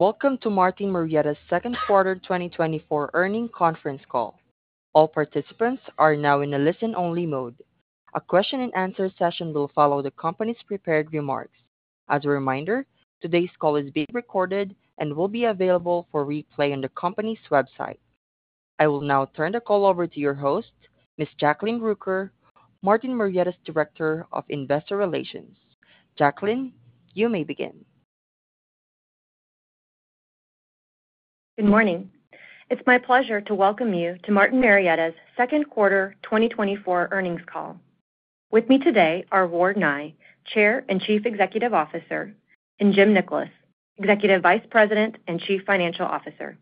Welcome to Martin Marietta's second quarter 2024 earnings conference call. All participants are now in a listen-only mode. A question-and-answer session will follow the company's prepared remarks. As a reminder, today's call is being recorded and will be available for replay on the company's website. I will now turn the call over to your host, Ms. Jacklyn Rooker, Martin Marietta's Director of Investor Relations. Jacklyn, you may begin. Good morning. It's my pleasure to welcome you to Martin Marietta's second quarter 2024 earnings call. With me today are Ward Nye, Chair and Chief Executive Officer, and Jim Nickolas, Executive Vice President and Chief Financial Officer.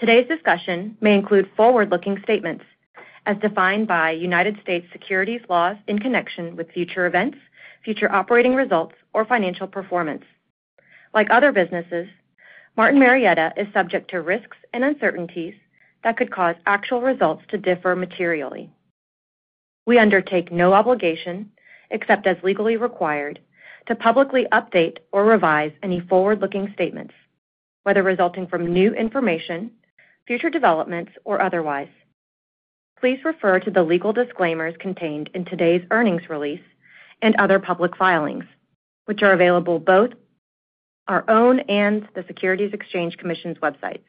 Today's discussion may include forward-looking statements as defined by United States securities laws in connection with future events, future operating results or financial performance. Like other businesses, Martin Marietta is subject to risks and uncertainties that could cause actual results to differ materially. We undertake no obligation, except as legally required, to publicly update or revise any forward-looking statements, whether resulting from new information, future developments, or otherwise. Please refer to the legal disclaimers contained in today's earnings release and other public filings, which are available both our own and the Securities and Exchange Commission's websites.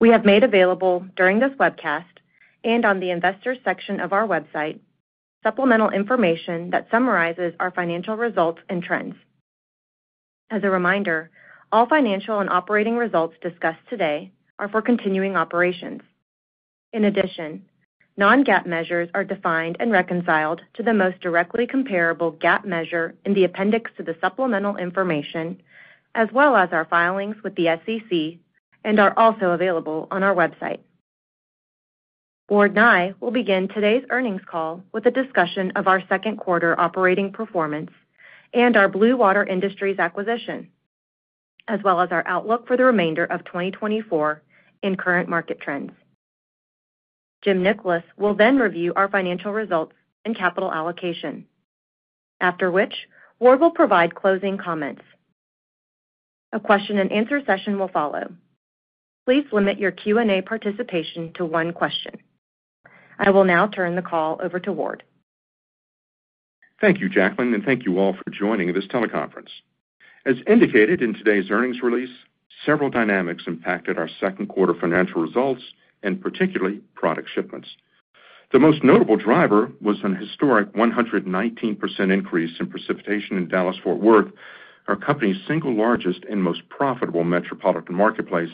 We have made available during this webcast, and on the investors section of our website, supplemental information that summarizes our financial results and trends. As a reminder, all financial and operating results discussed today are for continuing operations. In addition, non-GAAP measures are defined and reconciled to the most directly comparable GAAP measure in the appendix to the supplemental information, as well as our filings with the SEC, and are also available on our website. Ward Nye will begin today's earnings call with a discussion of our second quarter operating performance and our Blue Water Industries acquisition, as well as our outlook for the remainder of 2024 in current market trends. Jim Nickolas will then review our financial results and capital allocation, after which Ward will provide closing comments. A question-and-answer session will follow. Please limit your Q&A participation to one question. I will now turn the call over to Ward. Thank you, Jacklyn, and thank you all for joining this teleconference. As indicated in today's earnings release, several dynamics impacted our second quarter financial results and particularly product shipments. The most notable driver was an historic 119% increase in precipitation in Dallas-Fort Worth, our company's single largest and most profitable metropolitan marketplace,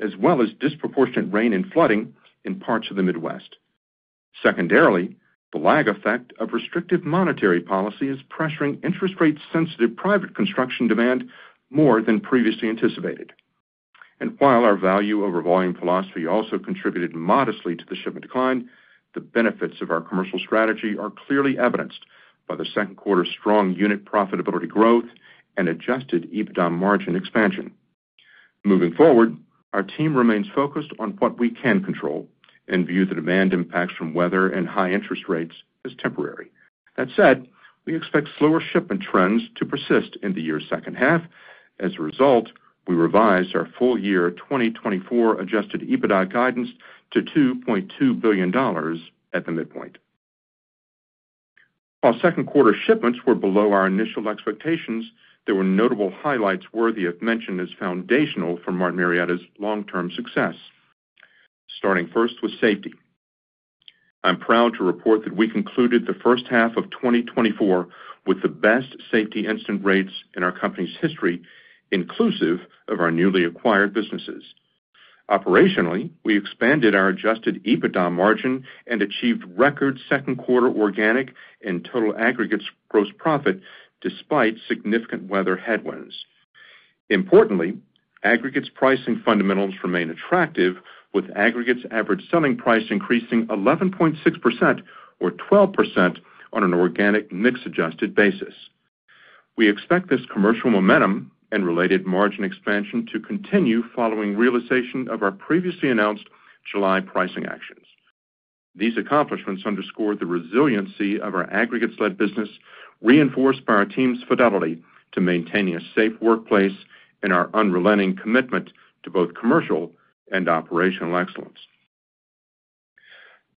as well as disproportionate rain and flooding in parts of the Midwest. Secondarily, the lag effect of restrictive monetary policy is pressuring interest rate-sensitive private construction demand more than previously anticipated. While our value over volume philosophy also contributed modestly to the shipment decline, the benefits of our commercial strategy are clearly evidenced by the second quarter strong unit profitability growth and Adjusted EBITDA margin expansion. Moving forward, our team remains focused on what we can control and view the demand impacts from weather and high interest rates as temporary. That said, we expect slower shipment trends to persist in the year's second half. As a result, we revised our full-year 2024 adjusted EBITDA guidance to $2.2 billion at the midpoint. While second quarter shipments were below our initial expectations, there were notable highlights worthy of mention as foundational for Martin Marietta's long-term success. Starting first with safety. I'm proud to report that we concluded the first half of 2024 with the best safety incident rates in our company's history, inclusive of our newly acquired businesses. Operationally, we expanded our adjusted EBITDA margin and achieved record second quarter organic and total aggregates gross profit, despite significant weather headwinds. Importantly, aggregates pricing fundamentals remain attractive, with aggregates average selling price increasing 11.6% or 12% on an organic mix-adjusted basis. We expect this commercial momentum and related margin expansion to continue following realization of our previously announced July pricing actions. These accomplishments underscore the resiliency of our aggregates-led business, reinforced by our team's fidelity to maintaining a safe workplace and our unrelenting commitment to both commercial and operational excellence.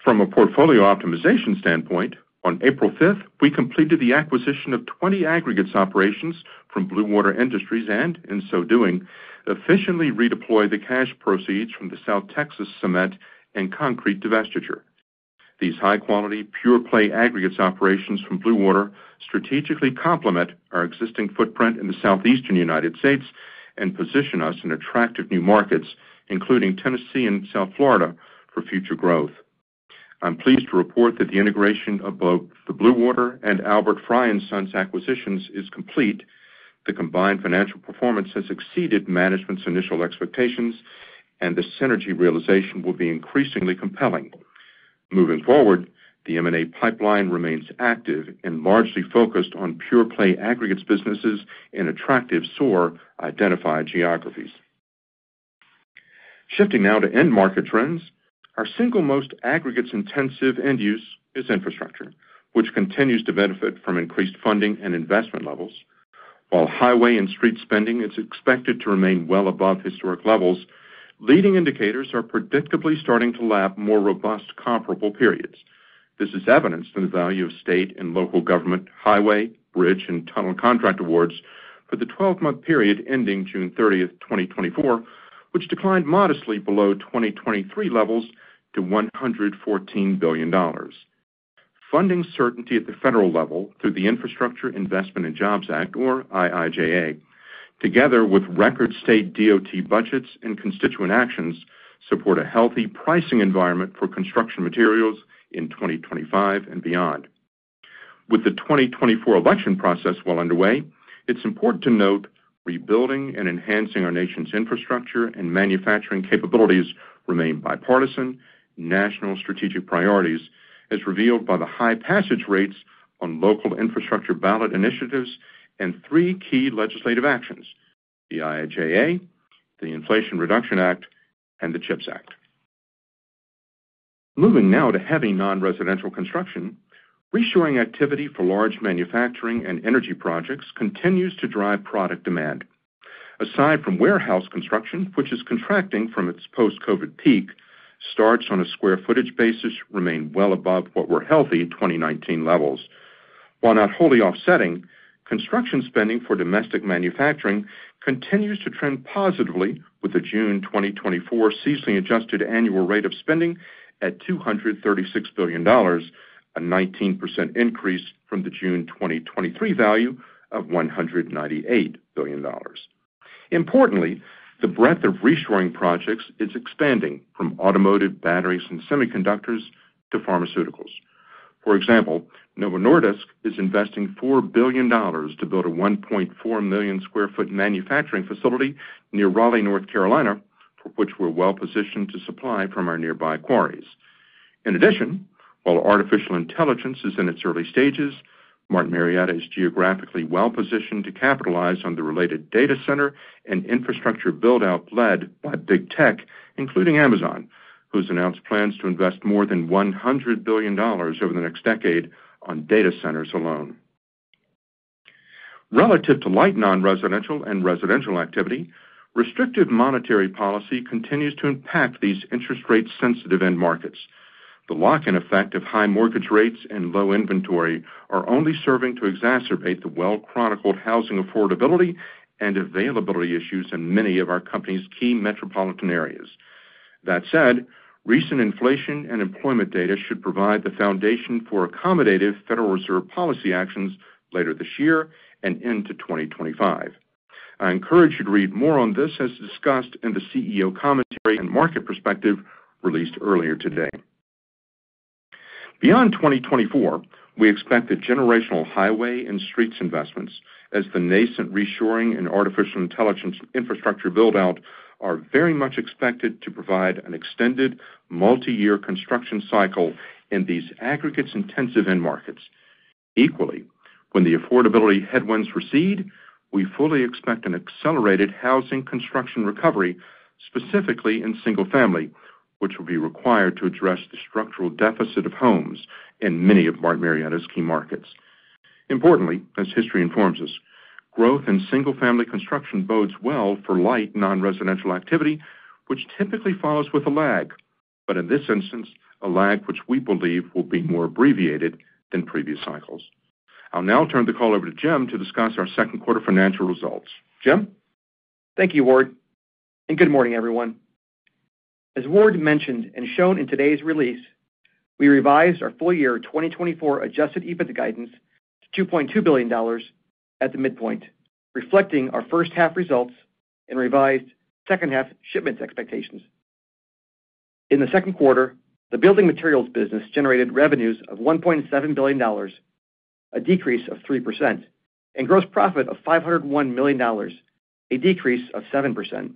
From a portfolio optimization standpoint, on 5 April 2024, we completed the acquisition of 20 aggregates operations from Blue Water Industries and, in so doing, efficiently redeployed the cash proceeds from the South Texas cement and concrete divestiture. These high-quality, pure-play aggregates operations from Blue Water strategically complement our existing footprint in the Southeastern United States and position us in attractive new markets, including Tennessee and South Florida, for future growth. I'm pleased to report that the integration of both the Blue Water and Albert Frei & Sons acquisitions is complete. The combined financial performance has exceeded management's initial expectations, and the synergy realization will be increasingly compelling. Moving forward, the M&A pipeline remains active and largely focused on pure-play aggregates businesses in attractive SOAR identified geographies. Shifting now to end market trends, our single most aggregates intensive end use is infrastructure, which continues to benefit from increased funding and investment levels. While highway and street spending is expected to remain well above historic levels, leading indicators are predictably starting to lap more robust comparable periods. This is evidenced in the value of state and local government, highway, bridge, and tunnel contract awards for the 12-month period ending 30 June 2024, which declined modestly below 2023 levels to $114 billion. Funding certainty at the federal level through the Infrastructure Investment and Jobs Act, or IIJA, together with record state DOT budgets and constituent actions, support a healthy pricing environment for construction materials in 2025 and beyond. With the 2024 election process well underway, it's important to note rebuilding and enhancing our nation's infrastructure and manufacturing capabilities remain bipartisan, national strategic priorities, as revealed by the high passage rates on local infrastructure ballot initiatives and three key legislative actions: the IIJA, the Inflation Reduction Act, and the CHIPS Act. Moving now to heavy non-residential construction, reshoring activity for large manufacturing and energy projects continues to drive product demand. Aside from warehouse construction, which is contracting from its post-COVID peak, starts on a square footage basis remain well above what were healthy in 2019 levels. While not wholly offsetting, construction spending for domestic manufacturing continues to trend positively, with the June 2024 seasonally adjusted annual rate of spending at $236 billion, a 19% increase from the June 2023 value of $198 billion. Importantly, the breadth of reshoring projects is expanding from automotive batteries and semiconductors to pharmaceuticals. For example, Novo Nordisk is investing $4 billion to build a 1.4 million sq ft manufacturing facility near Raleigh, North Carolina, for which we're well positioned to supply from our nearby quarries. In addition, while artificial intelligence is in its early stages, Martin Marietta is geographically well positioned to capitalize on the related data center and infrastructure build-out led by Big Tech, including Amazon, who's announced plans to invest more than $100 billion over the next decade on data centers alone. Relative to light non-residential and residential activity, restrictive monetary policy continues to impact these interest rate sensitive end markets. The lock-in effect of high mortgage rates and low inventory are only serving to exacerbate the well-chronicled housing affordability and availability issues in many of our company's key metropolitan areas. That said, recent inflation and employment data should provide the foundation for accommodative Federal Reserve policy actions later this year and into 2025. I encourage you to read more on this, as discussed in the CEO commentary and market perspective released earlier today. Beyond 2024, we expect a generational highway and streets investments as the nascent reshoring and artificial intelligence infrastructure build-out are very much expected to provide an extended multi-year construction cycle in these aggregates intensive end markets. Equally, when the affordability headwinds recede, we fully expect an accelerated housing construction recovery, specifically in single family, which will be required to address the structural deficit of homes in many of Martin Marietta's key markets. Importantly, as history informs us, growth in single-family construction bodes well for light non-residential activity, which typically follows with a lag, but in this instance, a lag which we believe will be more abbreviated than previous cycles. I'll now turn the call over to Jim to discuss our second quarter financial results. Jim? Thank you, Ward, and good morning, everyone. As Ward mentioned and shown in today's release, we revised our full year 2024 adjusted EBITDA guidance to $2.2 billion at the midpoint, reflecting our first half results and revised second half shipments expectations. In the second quarter, the building materials business generated revenues of $1.7 billion, a decrease of 3%, and gross profit of $501 million, a decrease of 7%.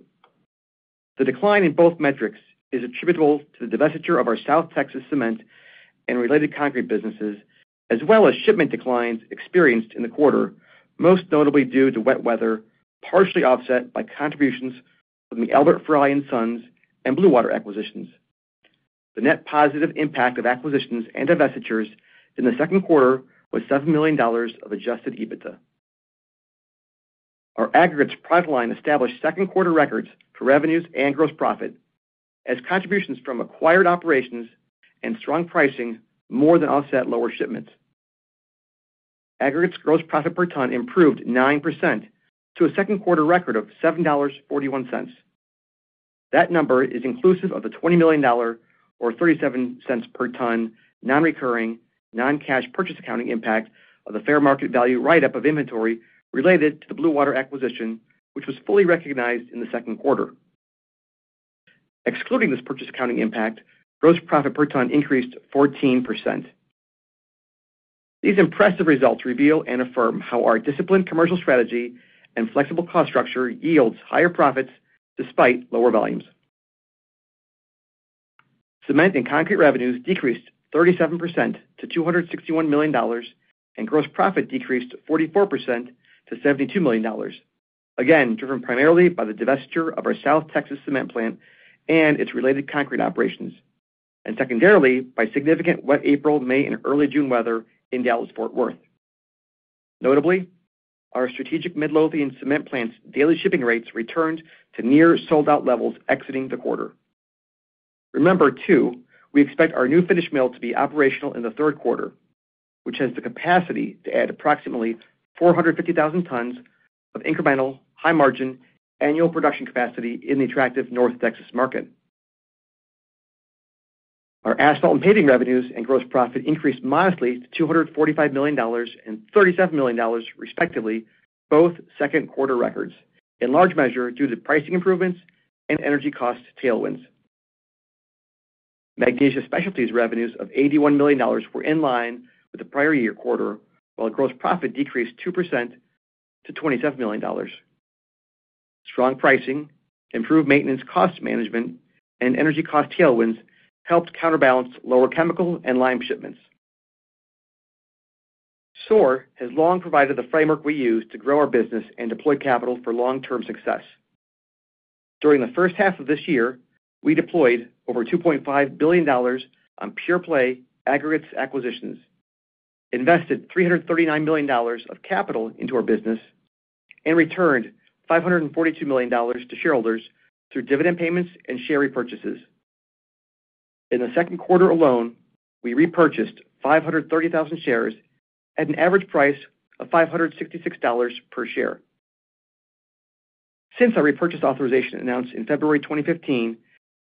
The decline in both metrics is attributable to the divestiture of our South Texas Cement and related concrete businesses, as well as shipment declines experienced in the quarter, most notably due to wet weather, partially offset by contributions from the Albert Frei & Sons and Blue Water acquisitions. The net positive impact of acquisitions and divestitures in the second quarter was $7 million of adjusted EBITDA. Our aggregates product line established second quarter records for revenues and gross profit, as contributions from acquired operations and strong pricing more than offset lower shipments. Aggregates gross profit per ton improved 9% to a second quarter record of $7.41. That number is inclusive of the $20 million, or $0.37 per ton, non-recurring, non-cash purchase accounting impact of the fair market value write-up of inventory related to the Blue Water acquisition, which was fully recognized in the second quarter. Excluding this purchase accounting impact, gross profit per ton increased 14%. These impressive results reveal and affirm how our disciplined commercial strategy and flexible cost structure yields higher profits despite lower volumes. Cement and concrete revenues decreased 37% to $261 million, and gross profit decreased 44% to $72 million. Again, driven primarily by the divestiture of our South Texas cement plant and its related concrete operations, and secondarily, by significant wet April, May, and early June weather in Dallas-Fort Worth. Notably, our strategic Midlothian cement plant's daily shipping rates returned to near sold-out levels exiting the quarter. Remember, too, we expect our new finished mill to be operational in the third quarter, which has the capacity to add approximately 450,000 tons of incremental, high margin, annual production capacity in the attractive North Texas market. Our asphalt and paving revenues and gross profit increased modestly to $245 million and $37 million, respectively, both second quarter records, in large measure due to pricing improvements and energy cost tailwinds. Magnesia Specialties revenues of $81 million were in line with the prior year quarter, while gross profit decreased 2% to $27 million. Strong pricing, improved maintenance cost management, and energy cost tailwinds helped counterbalance lower chemical and lime shipments. SOAR has long provided the framework we use to grow our business and deploy capital for long-term success. During the first half of this year, we deployed over $2.5 billion on pure play aggregates acquisitions, invested $339 million of capital into our business, and returned $542 million to shareholders through dividend payments and share repurchases. In the second quarter alone, we repurchased 530,000 shares at an average price of $566 per share. Since our repurchase, authorization announced in February 2015,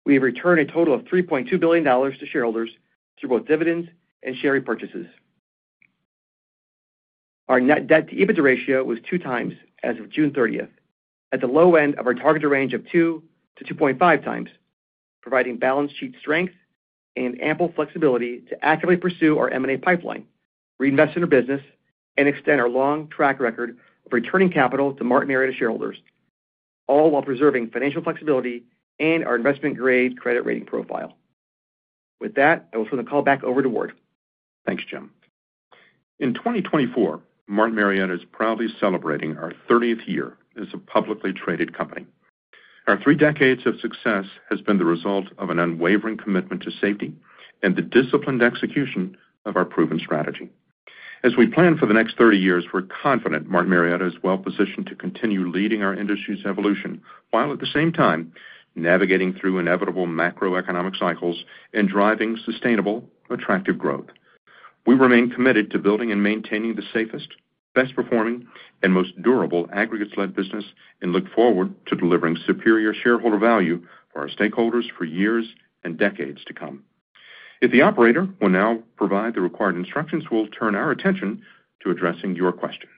we have returned a total of $3.2 billion to shareholders through both dividends and share repurchases. Our net debt to EBITDA ratio was 2x as of 30 June 2024, at the low end of our targeted range of 2x to 2.5x, providing balance sheet strength and ample flexibility to actively pursue our M&A pipeline, reinvest in our business, and extend our long track record of returning capital to Martin Marietta shareholders, all while preserving financial flexibility and our investment grade credit rating profile. With that, I will turn the call back over to Ward. Thanks, Jim. In 2024, Martin Marietta is proudly celebrating our 30th year as a publicly traded company. Our three decades of success has been the result of an unwavering commitment to safety and the disciplined execution of our proven strategy. As we plan for the next 30 years, we're confident Martin Marietta is well positioned to continue leading our industry's evolution, while at the same time navigating through inevitable macroeconomic cycles and driving sustainable, attractive growth. We remain committed to building and maintaining the safest, best performing, and most durable aggregates-led business, and look forward to delivering superior shareholder value for our stakeholders for years and decades to come. If the operator will now provide the required instructions, we'll turn our attention to addressing your questions.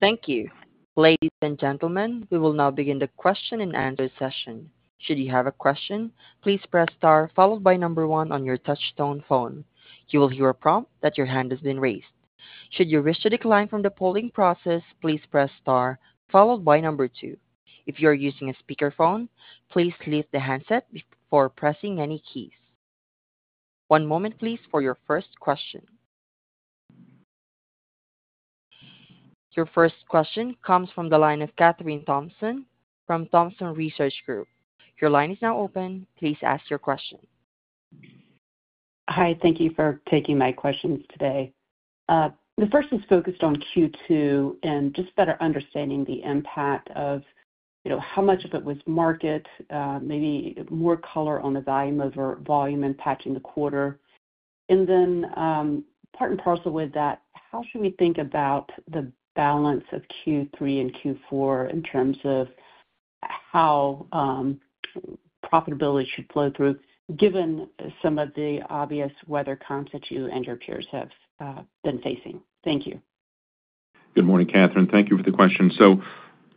Thank you. Ladies and gentlemen, we will now begin the question and answer session. Should you have a question, please press star followed by number one on your touchtone phone. You will hear a prompt that your hand has been raised. Should you wish to decline from the polling process, please press star followed by number two. If you are using a speakerphone, please lift the handset before pressing any keys. One moment, please, for your first question. Your first question comes from the line of Kathryn Thompson from Thompson Research Group. Your line is now open. Please ask your question. Hi, thank you for taking my questions today. The first is focused on second quarter and just better understanding the impact of, you know, how much of it was market, maybe more color on the value over volume impacting the quarter. And then, part and parcel with that, how should we think about the balance of third quarter and fourth quarter in terms of how profitability should flow through, given some of the obvious weather comps that you and your peers have been facing? Thank you. Good morning, Kathryn. Thank you for the question. So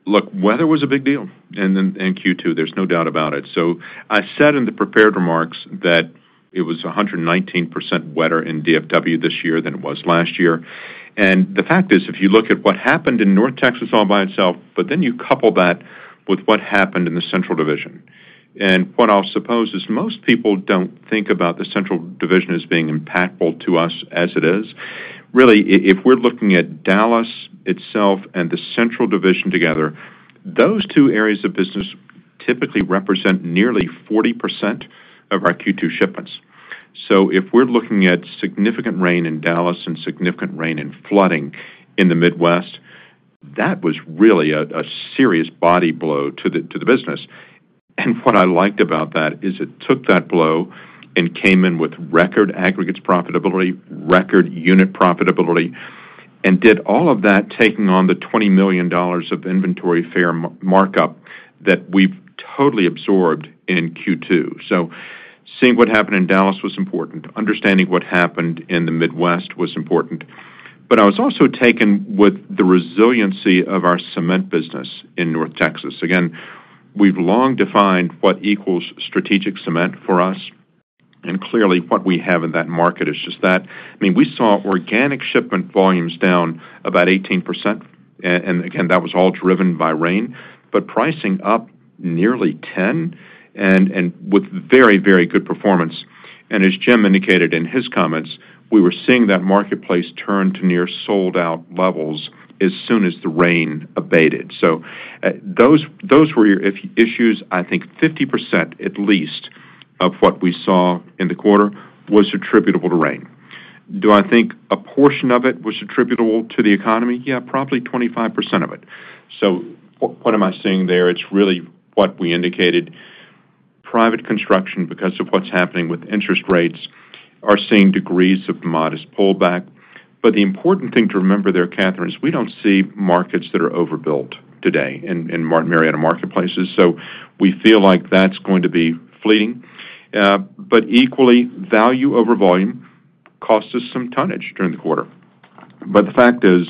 look, weather was a big deal in, in second quarter, there's no doubt about it. So I said in the prepared remarks that it was 119% wetter in DFW this year than it was last year. And the fact is, if you look at what happened in North Texas all by itself, but then you couple that with what happened in the Central Division, and what I'll suppose is most people don't think about the Central Division as being impactful to us as it is. Really, if we're looking at Dallas itself and the Central Division together, those two areas of business typically represent nearly 40% of our second quarter shipments. So, if we're looking at significant rain in Dallas and significant rain and flooding in the Midwest, that was really a serious body blow to the business. And what I liked about that is it took that blow and came in with record aggregates profitability, record unit profitability, and did all of that, taking on the $20 million of inventory fair market markup that we've totally absorbed in second quarter. So, seeing what happened in Dallas was important. Understanding what happened in the Midwest was important. But I was also taken with the resiliency of our cement business in North Texas. Again, we've long defined what equals strategic cement for us. And clearly, what we have in that market is just that. I mean, we saw organic shipment volumes down about 18%, and again, that was all driven by rain, but pricing up nearly 10%, and with very, very good performance. And as Jim indicated in his comments, we were seeing that marketplace turn to near sold-out levels as soon as the rain abated. So, those were your issues. I think 50%, at least, of what we saw in the quarter was attributable to rain. Do I think a portion of it was attributable to the economy? Yeah, probably 25% of it. So what am I seeing there? It's really what we indicated. Private construction, because of what's happening with interest rates, are seeing degrees of modest pullback. But the important thing to remember there, Kathryn, is we don't see markets that are overbuilt today in Martin Marietta marketplaces, so we feel like that's going to be fleeting. But equally, value over volume cost us some tonnage during the quarter. But the fact is,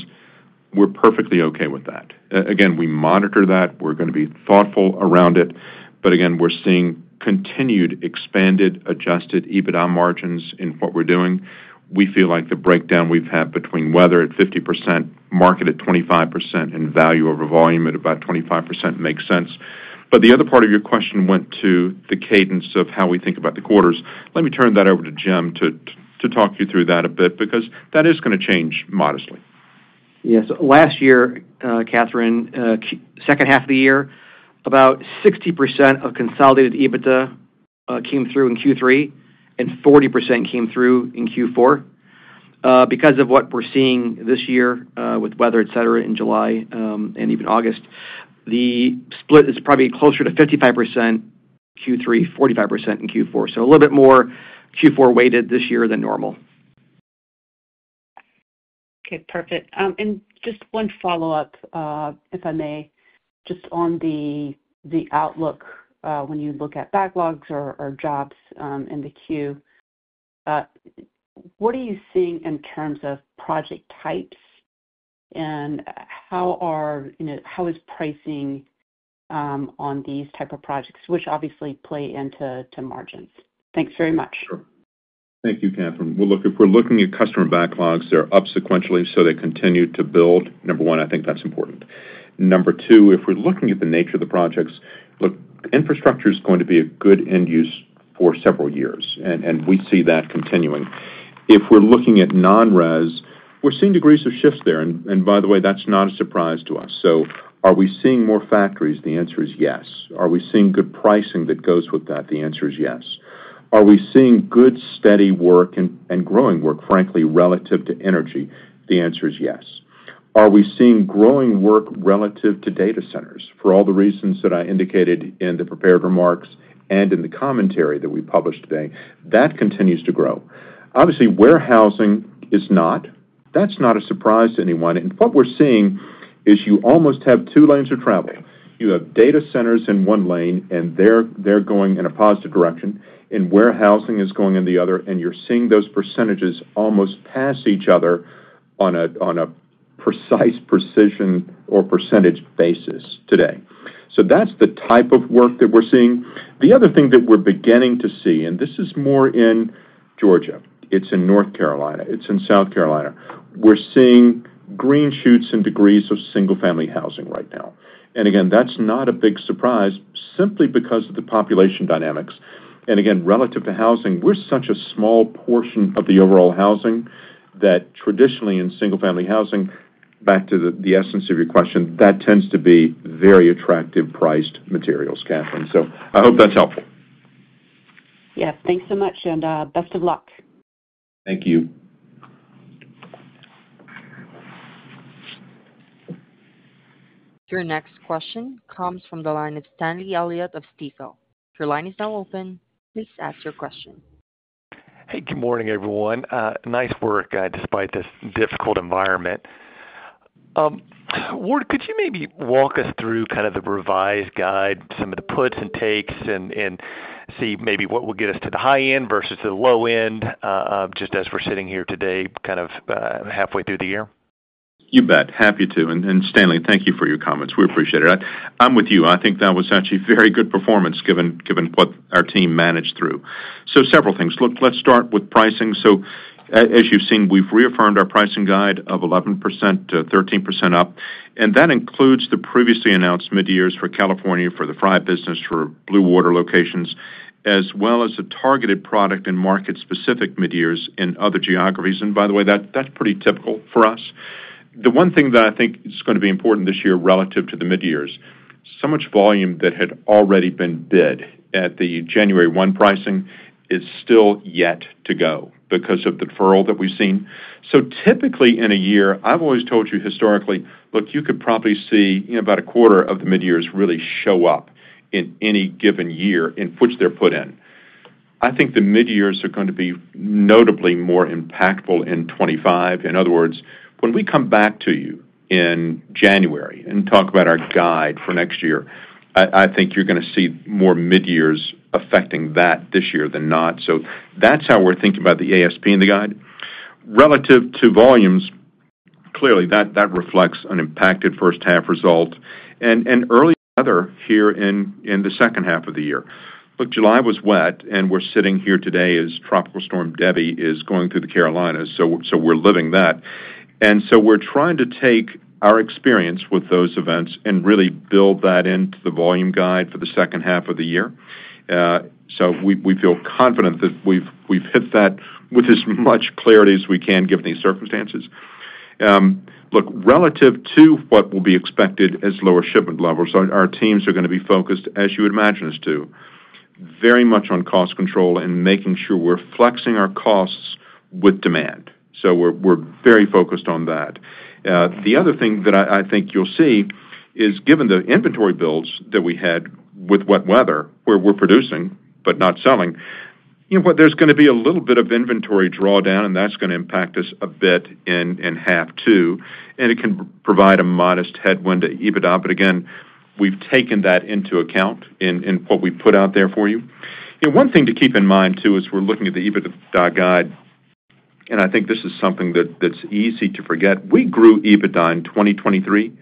we're perfectly okay with that. Again, we monitor that. We're gonna be thoughtful around it, but again, we're seeing continued, expanded, adjusted EBITDA margins in what we're doing. We feel like the breakdown we've had between weather at 50%, market at 25%, and value over volume at about 25% makes sense. But the other part of your question went to the cadence of how we think about the quarters. Let me turn that over to Jim to talk you through that a bit, because that is gonna change modestly. Yes. Last year, Kathryn, second half of the year, about 60% of consolidated EBITDA came through in third quarter, and 40% came through in fourth quarter. Because of what we're seeing this year with weather, etc., in July, and even August, the split is probably closer to 55% third quarter, 45% in fourth quarter, so a little bit more fourth quarter weighted this year than normal. Okay, perfect. And just one follow-up, if I may, just on the outlook, when you look at backlogs or jobs in the queue. What are you seeing in terms of project types, and how are, you know, how is pricing on these type of projects, which obviously play into to margins? Thanks very much. Sure. Thank you, Kathryn. Well, look, if we're looking at customer backlogs, they're up sequentially, so they continue to build. Number one, I think that's important. Number two, if we're looking at the nature of the projects, look, infrastructure is going to be a good end use for several years, and we see that continuing. If we're looking at non-res, we're seeing degrees of shifts there, and by the way, that's not a surprise to us. So, are we seeing more factories? The answer is yes. Are we seeing good pricing that goes with that? The answer is yes. Are we seeing good, steady work and growing work, frankly, relative to energy? The answer is yes. Are we seeing growing work relative to data centers? For all the reasons that I indicated in the prepared remarks and in the commentary that we published today, that continues to grow. Obviously, warehousing is not. That's not a surprise to anyone, and what we're seeing is you almost have two lanes of travel. You have data centers in one lane, and they're, they're going in a positive direction, and warehousing is going in the other, and you're seeing those percentages almost pass each other on a, on a precise precision or percentage basis today. So that's the type of work that we're seeing. The other thing that we're beginning to see, and this is more in Georgia, it's in North Carolina, it's in South Carolina. We're seeing green shoots and degrees of single-family housing right now. And again, that's not a big surprise, simply because of the population dynamics. And again, relative to housing, we're such a small portion of the overall housing that traditionally in single-family housing, back to the essence of your question, that tends to be very attractive priced materials, Kathryn, so I hope that's helpful. Yes. Thanks so much, and best of luck. Thank you. Your next question comes from the line of Stanley Elliott of Stifel. Your line is now open. Please ask your question. Hey, good morning, everyone. Nice work, despite this difficult environment. Ward, could you maybe walk us through kind of the revised guide, some of the puts and takes and, and see maybe what will get us to the high end versus the low end, just as we're sitting here today, kind of, halfway through the year? You bet. Happy to. And, Stanley, thank you for your comments. We appreciate it. I'm with you. I think that was actually very good performance, given, given what our team managed through. So, several things. Look, let's start with pricing. So, as you've seen, we've reaffirmed our pricing guide of 11% to 13% up, and that includes the previously announced midyears for California, for the Frei business, for Blue Water locations, as well as the targeted product and market-specific midyears in other geographies. And by the way, that, that's pretty typical for us. The one thing that I think is gonna be important this year relative to the midyears, so much volume that had already been bid at the 1 January 2024 pricing is still yet to go because of the deferral that we've seen. So typically in a year, I've always told you historically, look, you could probably see, you know, about a quarter of the midyears really show up in any given year in which they're put in. I think the midyears are going to be notably more impactful in 2025. In other words, when we come back to you in January and talk about our guide for next year, I think you're gonna see more midyears affecting that this year than not. So that's how we're thinking about the ASP and the guide. Relative to volumes, clearly, that reflects an impacted first half result and early weather here in the second half of the year. Look, July was wet, and we're sitting here today as Tropical Storm Debby is going through the Carolinas, so we're living that. So we're trying to take our experience with those events and really build that into the volume guide for the second half of the year. So we feel confident that we've hit that with as much clarity as we can, given these circumstances. Look, relative to what will be expected as lower shipment levels, our teams are gonna be focused, as you would imagine us to, very much on cost control and making sure we're flexing our costs with demand. So, we're very focused on that. The other thing that I think you'll see is, given the inventory builds that we had with wet weather, where we're producing but not selling, you know what? There's gonna be a little bit of inventory drawdown, and that's gonna impact us a bit in the second half too, and it can provide a modest headwind to EBITDA. But again, we've taken that into account in what we've put out there for you. You know, one thing to keep in mind, too, as we're looking at the EBITDA guide, and I think this is something that's easy to forget, we grew EBITDA in 2023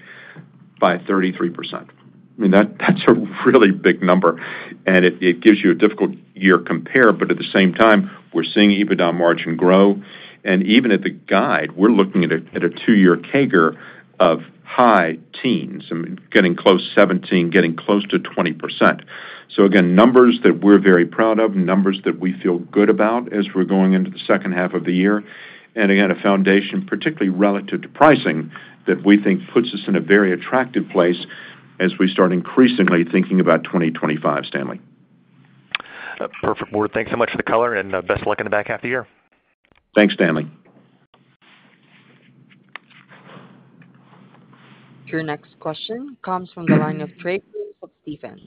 by 33%. I mean, that's a really big number, and it gives you a difficult year compare. But at the same time, we're seeing EBITDA margin grow, and even at the guide, we're looking at a two-year CAGR of high teens. I mean, getting close to 17%, getting close to 20%. So again, numbers that we're very proud of, numbers that we feel good about as we're going into the second half of the year, and again, a foundation, particularly relative to pricing, that we think puts us in a very attractive place as we start increasingly thinking about 2025, Stanley. Perfect, Ward. Thanks so much for the color, and best luck in the back half of the year. Thanks, Stanley. Your next question comes from the line of Trey Grooms of Stephens.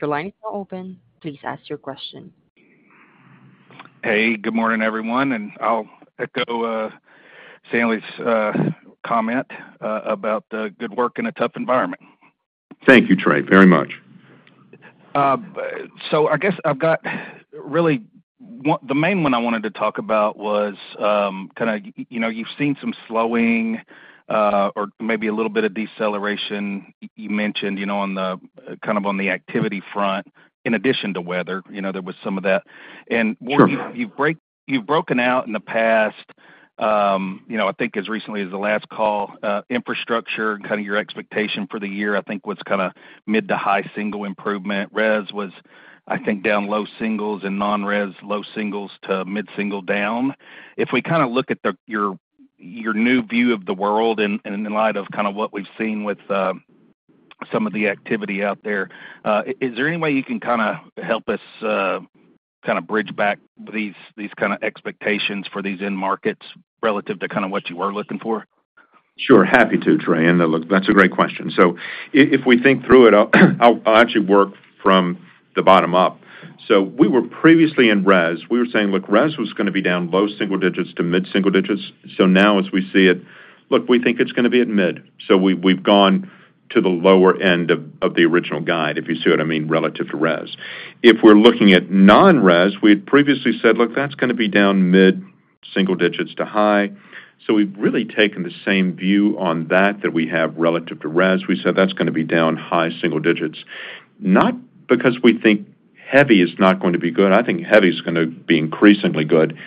Your line is now open. Please ask your question. Hey, good morning, everyone, and I'll echo Stanley's comment about good work in a tough environment. Thank you, Trey, very much. So, I guess I've got really one, the main one I wanted to talk about was, kinda, you know, you've seen some slowing or maybe a little bit of deceleration. You mentioned, you know, on the kind of on the activity front, in addition to weather, you know, there was some of that. Sure. And Ward, you've broken out in the past, you know, I think as recently as the last call, infrastructure and kind of your expectation for the year, I think was kinda mid- to high-single improvement. Res was, I think, down low singles and non-res, low singles to mid-single down. If we kinda look at your new view of the world in light of kinda what we've seen with some of the activity out there, is there any way you can kinda help us kinda bridge back these expectations for these end markets relative to kinda what you were looking for? Sure, happy to, Trey, and look, that's a great question. So, if we think through it, I'll actually work from the bottom up. So we were previously in res, we were saying, look, res was gonna be down low single digits to mid-single digits. So now as we see it, look, we think it's gonna be at mid. So, we've gone to the lower end of the original guide, if you see what I mean, relative to res. If we're looking at non-res, we had previously said, look, that's gonna be down mid-single digits to high. So, we've really taken the same view on that that we have relative to res. We said that's gonna be down high single digits, not because we think heavy is not going to be good. I think heavy is gonna be increasingly good.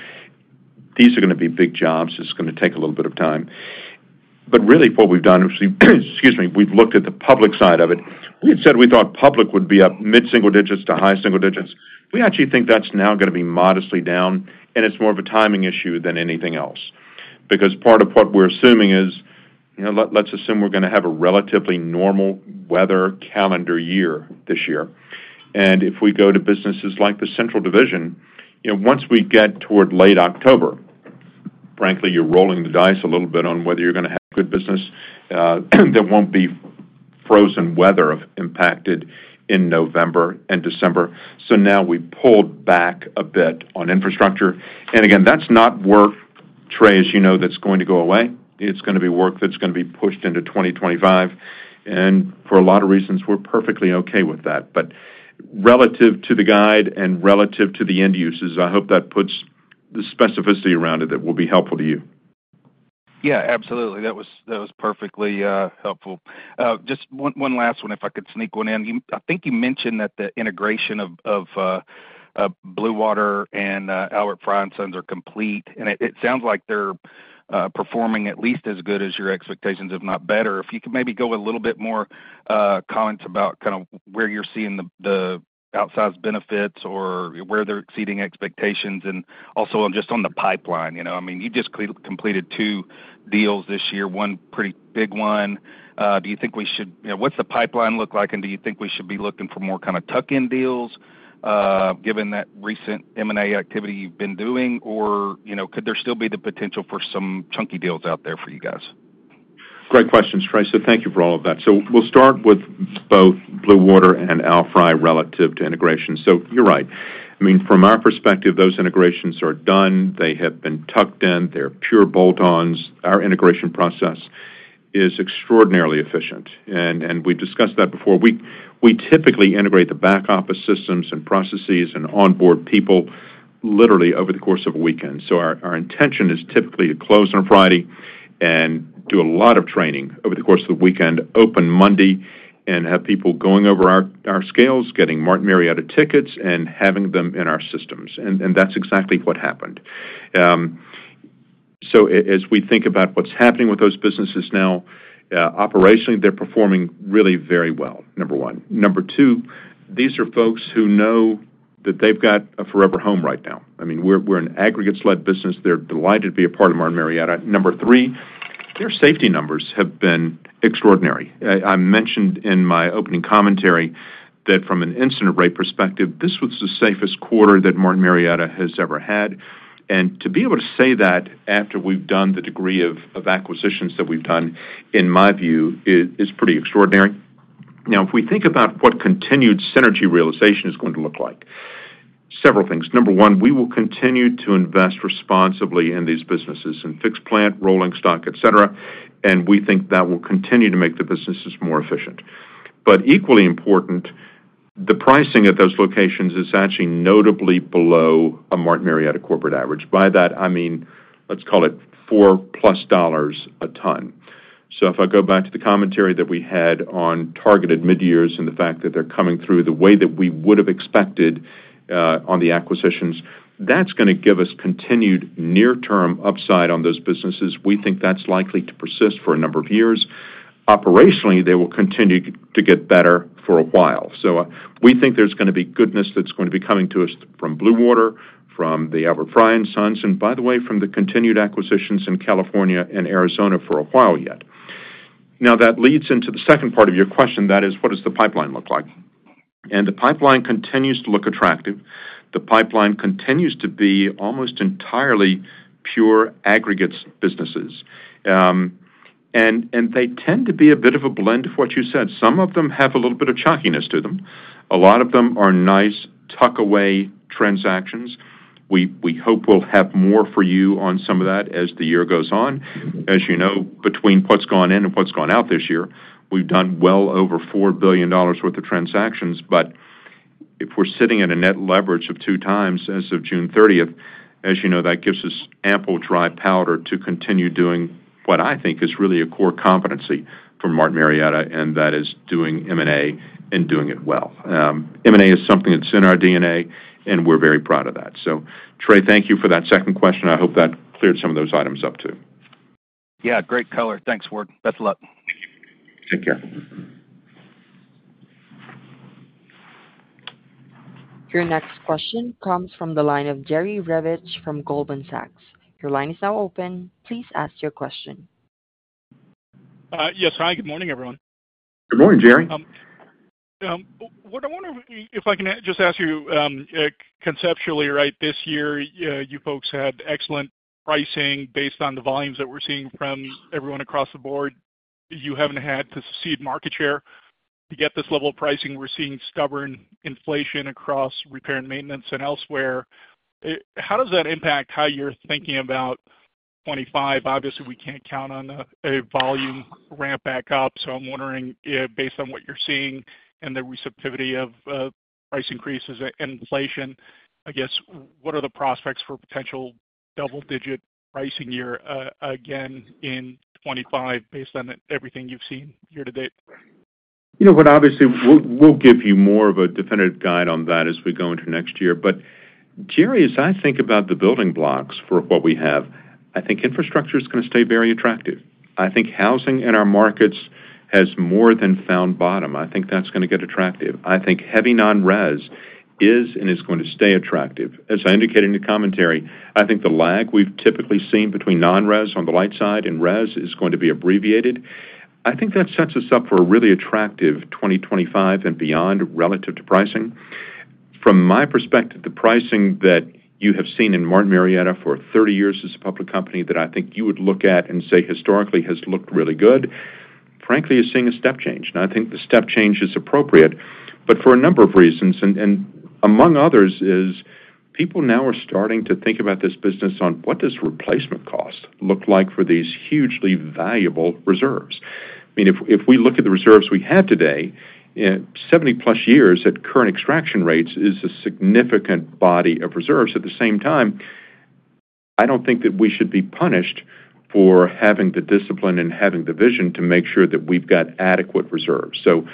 These are gonna be big jobs. It's gonna take a little bit of time. But really what we've done is we, excuse me, we've looked at the public side of it. We had said we thought public would be up mid single digits to high single digits. We actually think that's now gonna be modestly down, and it's more of a timing issue than anything else. Because part of what we're assuming is, you know, let's assume we're gonna have a relatively normal weather calendar year this year, and if we go to businesses like the central division, you know, once we get toward late October, frankly, you're rolling the dice a little bit on whether you're gonna have good business, there won't be frozen weather impacted in November and December. So now we pulled back a bit on infrastructure, and again, that's not work, Trey, as you know, that's going to go away. It's gonna be work that's gonna be pushed into 2025, and for a lot of reasons, we're perfectly okay with that. But relative to the guide and relative to the end uses, I hope that puts the specificity around it that will be helpful to you. Yeah, absolutely. That was, that was perfectly helpful. Just one last one, if I could sneak one in. I think you mentioned that the integration of Blue Water and Albert Frei & Sons are complete, and it sounds like they're performing at least as good as your expectations, if not better. If you could maybe go a little bit more comments about kinda where you're seeing the outsized benefits or where they're exceeding expectations, and also just on the pipeline. You know, I mean, you just completed two deals this year, one pretty big one. Do you think we should, you know, what's the pipeline look like, and do you think we should be looking for more kinda tuck-in deals, given that recent M&A activity you've been doing? Or, you know, could there still be the potential for some chunky deals out there for you guys? Great questions, Trey, so thank you for all of that. So, we'll start with both Blue Water and Albert Frei relative to integration. So, you're right. I mean, from our perspective, those integrations are done. They have been tucked in. They're pure bolt-ons. Our integration process is extraordinarily efficient, and we've discussed that before. We typically integrate the back-office systems and processes and onboard people literally over the course of a weekend. So, our intention is typically to close on a Friday and do a lot of training over the course of the weekend, open Monday, and have people going over our scales, getting Martin Marietta tickets, and having them in our systems. And that's exactly what happened. So, as we think about what's happening with those businesses now, operationally, they're performing really very well, number one. Number two, these are folks who know that they've got a forever home right now. I mean, we're an aggregates-led business. They're delighted to be a part of Martin Marietta. Number three, their safety numbers have been extraordinary. I mentioned in my opening commentary that from an incident rate perspective, this was the safest quarter that Martin Marietta has ever had. And to be able to say that after we've done the degree of acquisitions that we've done, in my view, is pretty extraordinary. Now, if we think about what continued synergy realization is going to look like, several things. Number one, we will continue to invest responsibly in these businesses, in fixed plant, rolling stock, etc., and we think that will continue to make the businesses more efficient. But equally important, the pricing at those locations is actually notably below a Martin Marietta corporate average. By that, I mean, let's call it $4+ a ton. So, if I go back to the commentary that we had on targeted midyears and the fact that they're coming through the way that we would've expected, on the acquisitions, that's gonna give us continued near-term upside on those businesses. We think that's likely to persist for a number of years. Operationally, they will continue to get better for a while. So, we think there's gonna be goodness that's gonna be coming to us from Blue Water, from the Albert Frei & Sons, and by the way, from the continued acquisitions in California and Arizona for a while yet. Now, that leads into the second part of your question, that is, what does the pipeline look like? And the pipeline continues to look attractive. The pipeline continues to be almost entirely pure aggregates businesses, and they tend to be a bit of a blend of what you said. Some of them have a little bit of chalkiness to them. A lot of them are nice, tuck away transactions. We hope we'll have more for you on some of that as the year goes on. As you know, between what's gone in and what's gone out this year, we've done well over $4 billion worth of transactions. But if we're sitting at a net leverage of 2x as of 30 June 2024, as you know, that gives us ample dry powder to continue doing what I think is really a core competency for Martin Marietta, and that is doing M&A and doing it well.M&A is something that's in our DNA, and we're very proud of that. Trey, thank you for that second question. I hope that cleared some of those items up, too. Yeah, great color. Thanks, Ward. Best of luck. Take care. Your next question comes from the line of Jerry Revich from Goldman Sachs. Your line is now open. Please ask your question. Yes, hi, good morning, everyone. Good morning, Jerry. What I wonder, if I can just ask you, conceptually, right, this year, you folks had excellent pricing based on the volumes that we're seeing from everyone across the board. You haven't had to cede market share. To get this level of pricing, we're seeing stubborn inflation across repair and maintenance and elsewhere. How does that impact how you're thinking about 25? Obviously, we can't count on a volume ramp back up, so I'm wondering, based on what you're seeing and the receptivity of price increases and inflation, I guess, what are the prospects for potential double-digit pricing year, again, in 25 based on everything you've seen year to date? You know what? Obviously, we'll, we'll give you more of a definitive guide on that as we go into next year. But Jerry, as I think about the building blocks for what we have, I think infrastructure is gonna stay very attractive. I think housing in our markets has more than found bottom. I think that's gonna get attractive. I think heavy non-res is and is going to stay attractive. As I indicated in the commentary, I think the lag we've typically seen between non-res on the light side and res is going to be abbreviated. I think that sets us up for a really attractive 2025 and beyond, relative to pricing. From my perspective, the pricing that you have seen in Martin Marietta for 30 years as a public company, that I think you would look at and say, historically, has looked really good, frankly, is seeing a step change. Now, I think the step change is appropriate, but for a number of reasons, and, and among others, is people now are starting to think about this business on what does replacement cost look like for these hugely valuable reserves? I mean, if, if we look at the reserves we have today, 70+ years at current extraction rates is a significant body of reserves. At the same time, I don't think that we should be punished for having the discipline and having the vision to make sure that we've got adequate reserves. So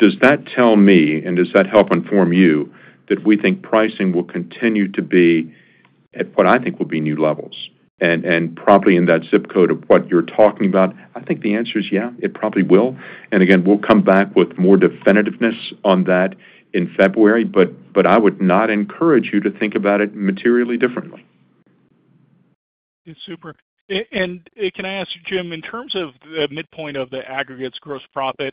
does that tell me, and does that help inform you, that we think pricing will continue to be at what I think will be new levels, and, and probably in that zip code of what you're talking about? I think the answer is yeah, it probably will. And again, we'll come back with more definitiveness on that in February, but, but I would not encourage you to think about it materially differently. Super. And can I ask you, Jim, in terms of the midpoint of the aggregates gross profit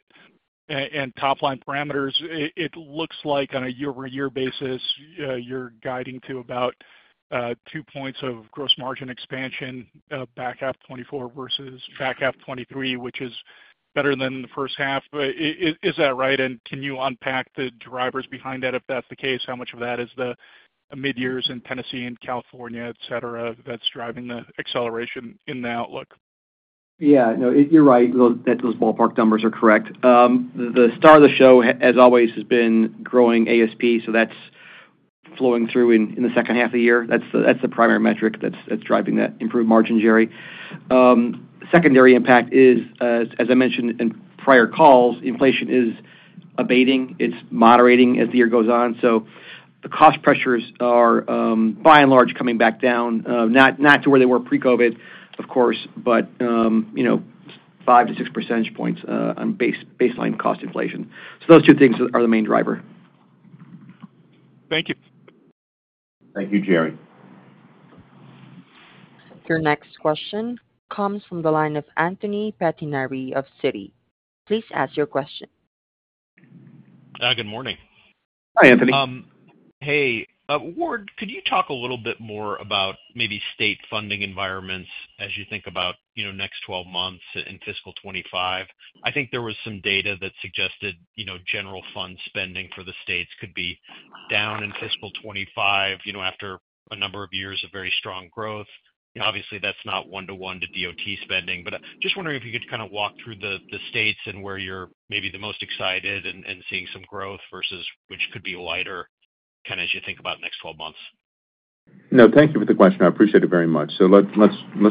and top-line parameters, it looks like on a year-over-year basis, you're guiding to about two points of gross margin expansion, back half 2024 versus back half 2023, which is better than the first half. But is that right? And can you unpack the drivers behind that, if that's the case? How much of that is the mines in Tennessee and California, etc., that's driving the acceleration in the outlook? Yeah. No, you're right. Those, that those ballpark numbers are correct. The star of the show, as always, has been growing ASP, so that's flowing through in the second half of the year. That's the primary metric that's driving that improved margin, Jerry. Secondary impact is, as I mentioned in prior calls, inflation is abating. It's moderating as the year goes on. So the cost pressures are, by and large, coming back down, not to where they were pre-COVID, of course, but, you know, 5-6 percentage points, on baseline cost inflation. So those two things are the main driver. Thank you. Thank you, Jerry. Your next question comes from the line of Anthony Pettinari of Citi. Please ask your question. Good morning. Hi, Anthony. Hey, Ward, could you talk a little bit more about maybe state funding environments as you think about, you know, next twelve months in fiscal 25? I think there was some data that suggested, you know, general fund spending for the states could be down in fiscal 25, you know, after a number of years of very strong growth. Obviously, that's not one-to-one to DOT spending, but just wondering if you could kind of walk through the states and where you're maybe the most excited and seeing some growth versus which could be lighter, kinda as you think about the next twelve months. No, thank you for the question. I appreciate it very much. So let's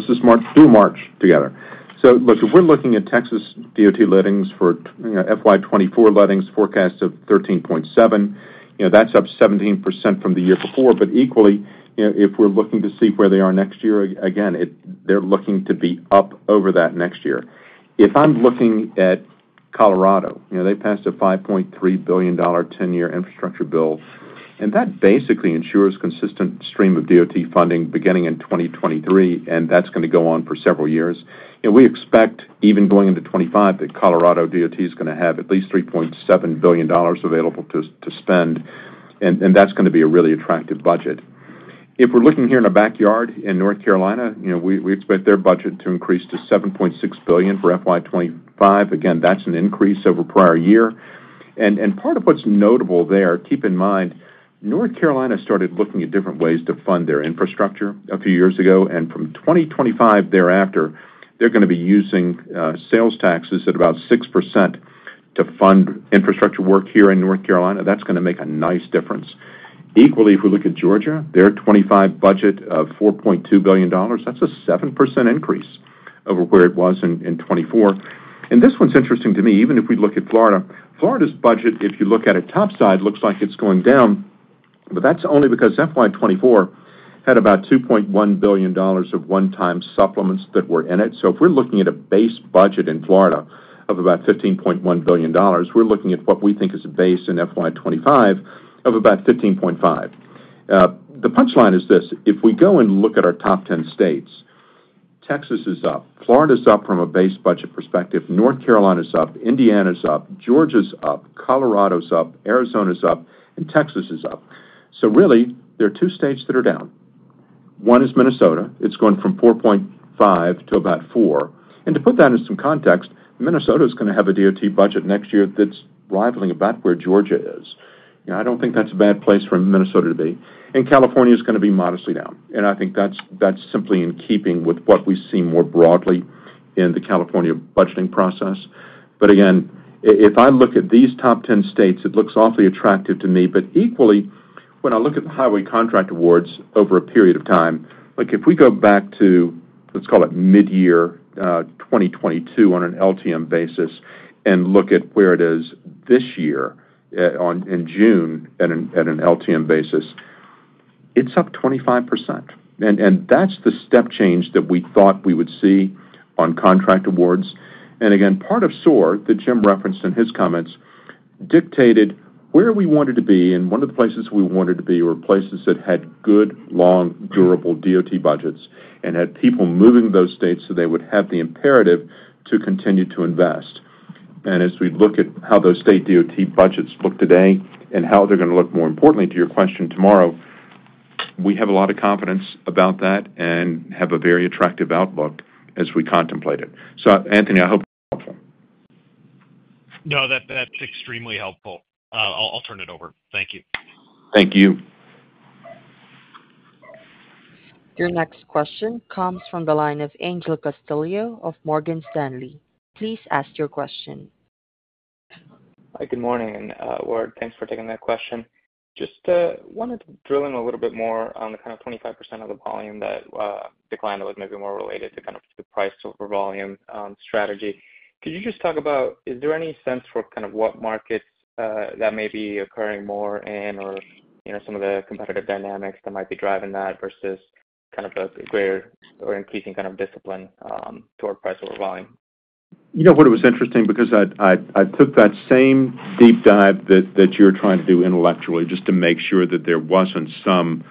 just march together. So look, if we're looking at Texas DOT lettings for, you know, FY 2024 lettings, forecast of 13.7, you know, that's up 17% from the year before. But equally, you know, if we're looking to see where they are next year, again, it- they're looking to be up over that next year. If I'm looking at Colorado, you know, they passed a $5.3 billion 10-year infrastructure bill, and that basically ensures consistent stream of DOT funding beginning in 2023, and that's gonna go on for several years. And we expect, even going into 2025, that Colorado DOT is gonna have at least $3.7 billion available to, to spend, and, and that's gonna be a really attractive budget. If we're looking here in our backyard in North Carolina, you know, we, we expect their budget to increase to $7.6 billion for FY 2025. Again, that's an increase over prior year. And, and part of what's notable there, keep in mind, North Carolina started looking at different ways to fund their infrastructure a few years ago, and from 2025 thereafter, they're gonna be using sales taxes at about 6% to fund infrastructure work here in North Carolina. That's gonna make a nice difference. Equally, if we look at Georgia, their 2025 budget of $4.2 billion, that's a 7% increase over where it was in, in 2024. And this one's interesting to me, even if we look at Florida. Florida's budget, if you look at it top side, looks like it's going down, but that's only because FY 2024 had about $2.1 billion of one-time supplements that were in it. So, if we're looking at a base budget in Florida of about $15.1 billion, we're looking at what we think is a base in FY 2025 of about $15.5 billion. The punchline is this: If we go and look at our top ten states, Texas is up, Florida's up from a base budget perspective, North Carolina's up, Indiana's up, Georgia's up, Colorado's up, Arizona's up, and Texas is up. So really, there are two states that are down. One is Minnesota. It's going from $4.5 billion to about $4 billion. To put that in some context, Minnesota is gonna have a DOT budget next year that's rivaling about where Georgia is. You know, I don't think that's a bad place for Minnesota to be. And California is gonna be modestly down, and I think that's simply in keeping with what we see more broadly in the California budgeting process. But again, if I look at these top 10 states, it looks awfully attractive to me. But equally, when I look at the highway contract awards over a period of time, like if we go back to, let's call it midyear 2022 on an LTM basis, and look at where it is this year, in June at an LTM basis, it's up 25%. And that's the step change that we thought we would see on contract awards. And again, part of SOAR, that Jim referenced in his comments, dictated where we wanted to be, and one of the places we wanted to be were places that had good, long, durable DOT budgets and had people moving to those states so they would have the imperative to continue to invest. And as we look at how those state DOT budgets look today and how they're gonna look, more importantly to your question, tomorrow, we have a lot of confidence about that and have a very attractive outlook as we contemplate it. So Anthony, I hope that's helpful. No, that, that's extremely helpful. I'll, I'll turn it over. Thank you. Thank you. Your next question comes from the line of Angel Castillo of Morgan Stanley. Please ask your question. Hi, good morning, Ward. Thanks for taking that question. Just wanted to drill in a little bit more on the kind of 25% of the volume that declined. It was maybe more related to kind of the price over volume strategy. Could you just talk about, is there any sense for kind of what markets that may be occurring more in or, you know, some of the competitive dynamics that might be driving that versus kind of a greater or increasing kind of discipline toward price over volume? You know what, it was interesting because I took that same deep dive that you're trying to do intellectually just to make sure that there wasn't some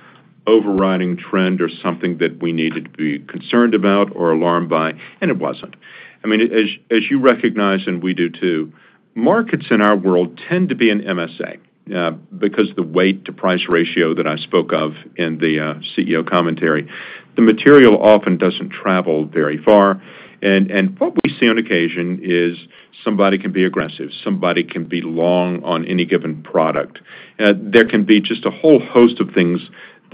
overriding trend or something that we needed to be concerned about or alarmed by, and it wasn't. I mean, as you recognize, and we do, too, markets in our world tend to be an MSA because the weight to price ratio that I spoke of in the CEO commentary, the material often doesn't travel very far. And what we see on occasion is somebody can be aggressive, somebody can be long on any given product. There can be just a whole host of things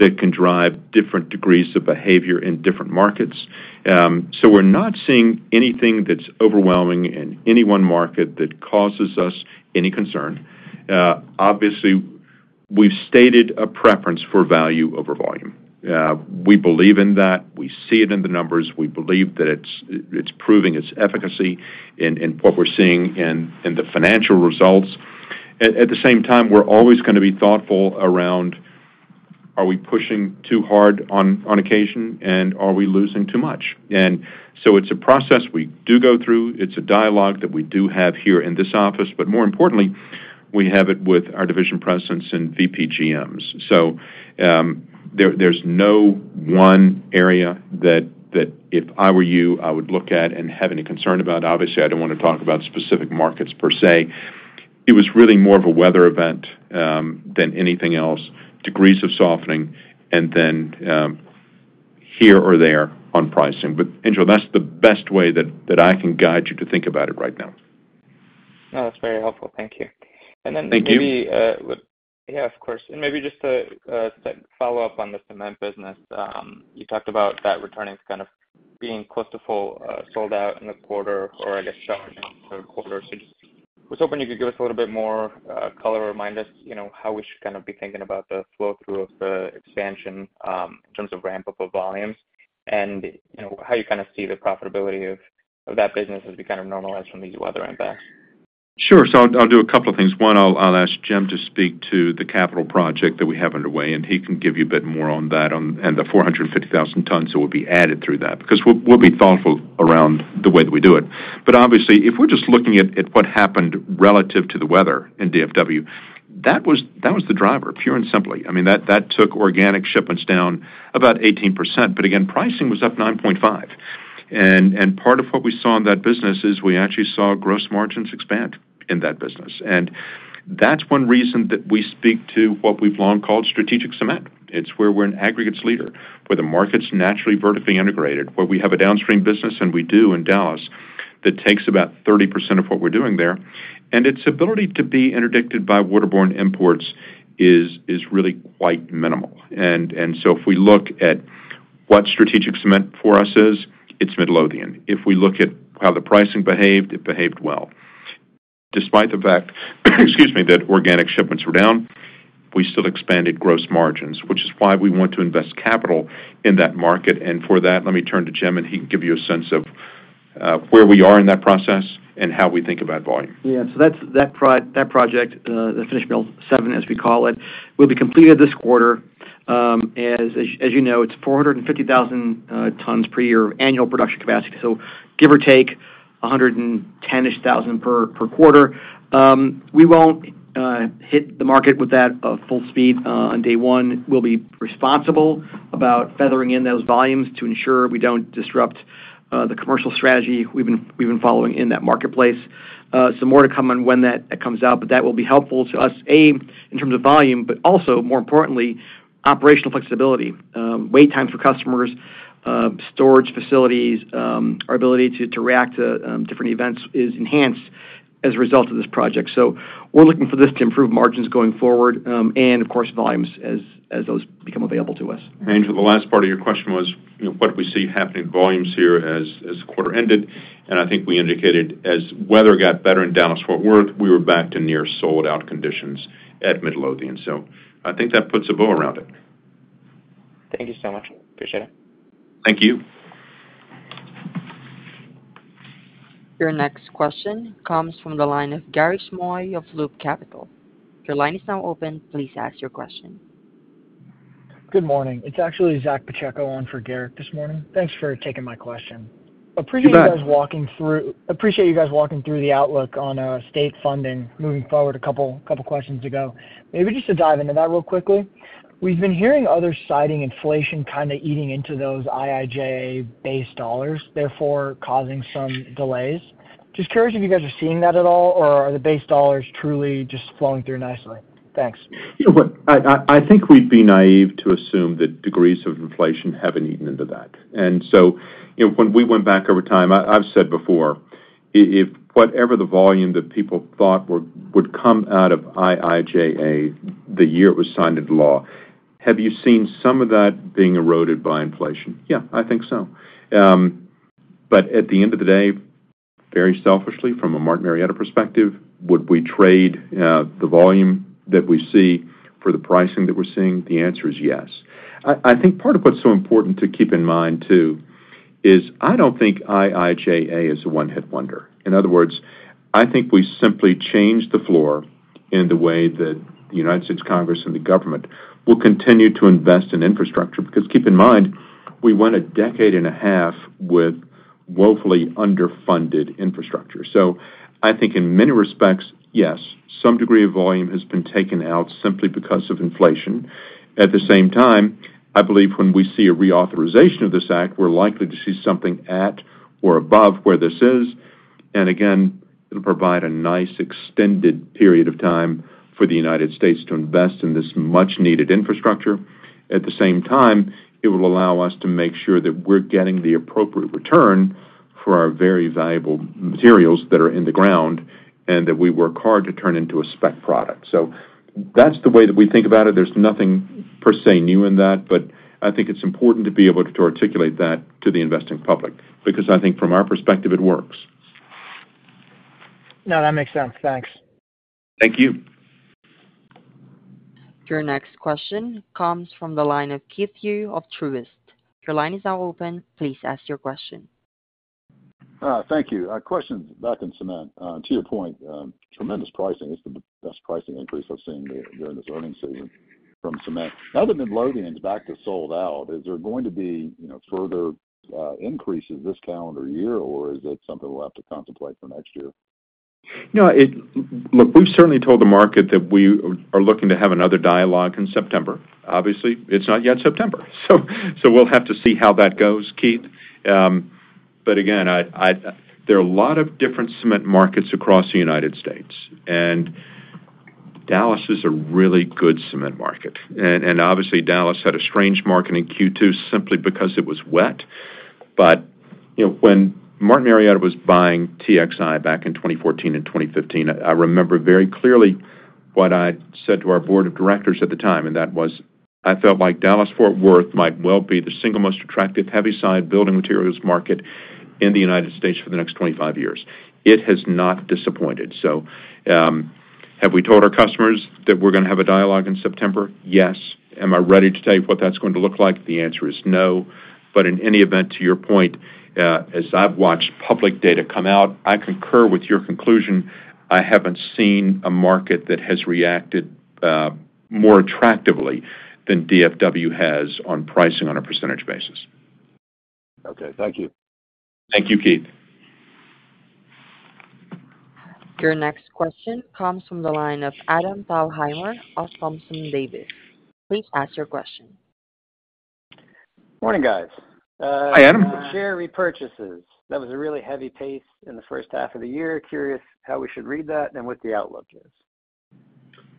that can drive different degrees of behavior in different markets. So we're not seeing anything that's overwhelming in any one market that causes us any concern. Obviously, we've stated a preference for value over volume. We believe in that. We see it in the numbers. We believe that it's proving its efficacy in what we're seeing in the financial results. At the same time, we're always gonna be thoughtful around are we pushing too hard on occasion, and are we losing too much? And so it's a process we do go through. It's a dialogue that we do have here in this office, but more importantly, we have it with our division presidents and VPGMs. So, there's no one area that if I were you, I would look at and have any concern about. Obviously, I don't wanna talk about specific markets per se. It was really more of a weather event than anything else, degrees of softening, and then, here or there on pricing. But, Angel, that's the best way that I can guide you to think about it right now. No, that's very helpful. Thank you. Thank you. And then maybe. Yeah, of course. And maybe just to follow up on the cement business. You talked about that returning as kind of being close to full sold out in the quarter or, I guess, shipping for the quarter. So I was hoping you could give us a little bit more color or remind us, you know, how we should kind of be thinking about the flow-through of the expansion in terms of ramp-up of volumes, and, you know, how you kinda see the profitability of that business as we kind of normalize from these weather impacts. Sure. So, I'll do a couple of things. One, I'll ask Jim to speak to the capital project that we have underway, and he can give you a bit more on that and the 450,000 tons that will be added through that, because we'll be thoughtful around the way that we do it. But obviously, if we're just looking at what happened relative to the weather in DFW, that was the driver, pure and simply. I mean, that took organic shipments down about 18%. But again, pricing was up 9.5%. And part of what we saw in that business is we actually saw gross margins expand in that business. And that's one reason that we speak to what we've long called strategic cement. It's where we're an aggregates leader, where the market's naturally vertically integrated, where we have a downstream business, and we do in Dallas, that takes about 30% of what we're doing there, and its ability to be interdicted by waterborne imports is really quite minimal. And so, if we look at what strategic cement for us is, it's Midlothian. If we look at how the pricing behaved, it behaved well. Despite the fact, excuse me, that organic shipments were down, we still expanded gross margins, which is why we want to invest capital in that market. And for that, let me turn to Jim, and he can give you a sense of where we are in that process and how we think about volume. Yeah. So that's that project, the Finish Mill 7, as we call it, will be completed this quarter. As you know, it's 450,000 tons per year of annual production capacity, so give or take, 110,000-ish thousand per quarter. We won't hit the market with that full speed on day one. We'll be responsible about feathering in those volumes to ensure we don't disrupt the commercial strategy we've been following in that marketplace. So more to come on when that comes out, but that will be helpful to us, A, in terms of volume, but also, more importantly, operational flexibility. Wait time for customers, storage facilities, our ability to react to different events is enhanced as a result of this project. We're looking for this to improve margins going forward, and of course, volumes as those become available to us. The last part of your question was, you know, what do we see happening in volumes here as the quarter ended? I think we indicated, as weather got better in Dallas-Fort Worth, we were back to near sold-out conditions at Midlothian. So I think that puts a bow around it. Thank you so much. Appreciate it. Thank you. Your next question comes from the line of Garik Shmois of Loop Capital. Your line is now open. Please ask your question. Good morning. It's actually Zack Pacheco on for Garik this morning. Thanks for taking my question. You bet. Appreciate you guys walking through the outlook on state funding moving forward a couple questions ago. Maybe just to dive into that real quickly. We've been hearing others citing inflation kind of eating into those IIJA base dollars, therefore causing some delays. Just curious if you guys are seeing that at all, or are the base dollars truly just flowing through nicely? Thanks. Yeah, look, I think we'd be naive to assume that degrees of inflation haven't eaten into that. And so, you know, when we went back over time, I've said before, if whatever the volume that people thought would come out of IIJA the year it was signed into law, have you seen some of that being eroded by inflation? Yeah, I think so. But at the end of the day, very selfishly, from a Martin Marietta perspective, would we trade the volume that we see for the pricing that we're seeing? The answer is yes. I think part of what's so important to keep in mind, too, is I don't think IIJA is a one-hit wonder. In other words, I think we simply changed the floor in the way that the United States Congress and the government will continue to invest in infrastructure. Because, keep in mind, we went a decade and a half with woefully underfunded infrastructure. So, I think in many respects, yes, some degree of volume has been taken out simply because of inflation. At the same time, I believe when we see a reauthorization of this act, we're likely to see something at or above where this is, and again, it'll provide a nice extended period of time for the United States to invest in this much needed infrastructure. At the same time, it will allow us to make sure that we're getting the appropriate return for our very valuable materials that are in the ground and that we work hard to turn into a spec product. So, that's the way that we think about it. There's nothing per se, new in that, but I think it's important to be able to articulate that to the investing public, because I think from our perspective, it works. No, that makes sense. Thanks. Thank you. Your next question comes from the line of Chip Hughey of Truist. Your line is now open. Please ask your question. Thank you. A question back in cement. To your point, tremendous pricing. It's the best pricing increase I've seen during this earnings season from cement. Now that Midlothian is back to sold out, is there going to be, you know, further, increases this calendar year, or is that something we'll have to contemplate for next year? No. Look, we've certainly told the market that we are looking to have another dialogue in September. Obviously, it's not yet September, so we'll have to see how that goes, Keith. But again, there are a lot of different cement markets across the United States, and Dallas is a really good cement market. And obviously Dallas had a strange market in second quarter simply because it was wet. But you know, when Martin Marietta was buying TXI back in 2014 and 2015, I remember very clearly what I said to our board of directors at the time, and that was, "I felt like Dallas-Fort Worth might well be the single most attractive heavy side building materials market in the United States for the next 25 years." It has not disappointed. So, have we told our customers that we're gonna have a dialogue in September? Yes. Am I ready to tell you what that's going to look like? The answer is no. But in any event, to your point, as I've watched public data come out, I concur with your conclusion. I haven't seen a market that has reacted more attractively than DFW has on pricing on a percentage basis. Okay, thank you. Thank you, Chip. Your next question comes from the line of Adam Thalhimer of Thompson Davis. Please ask your question. Morning, guys. Hi, Adam. Share repurchases, that was a really heavy pace in the first half of the year. Curious how we should read that and what the outlook is?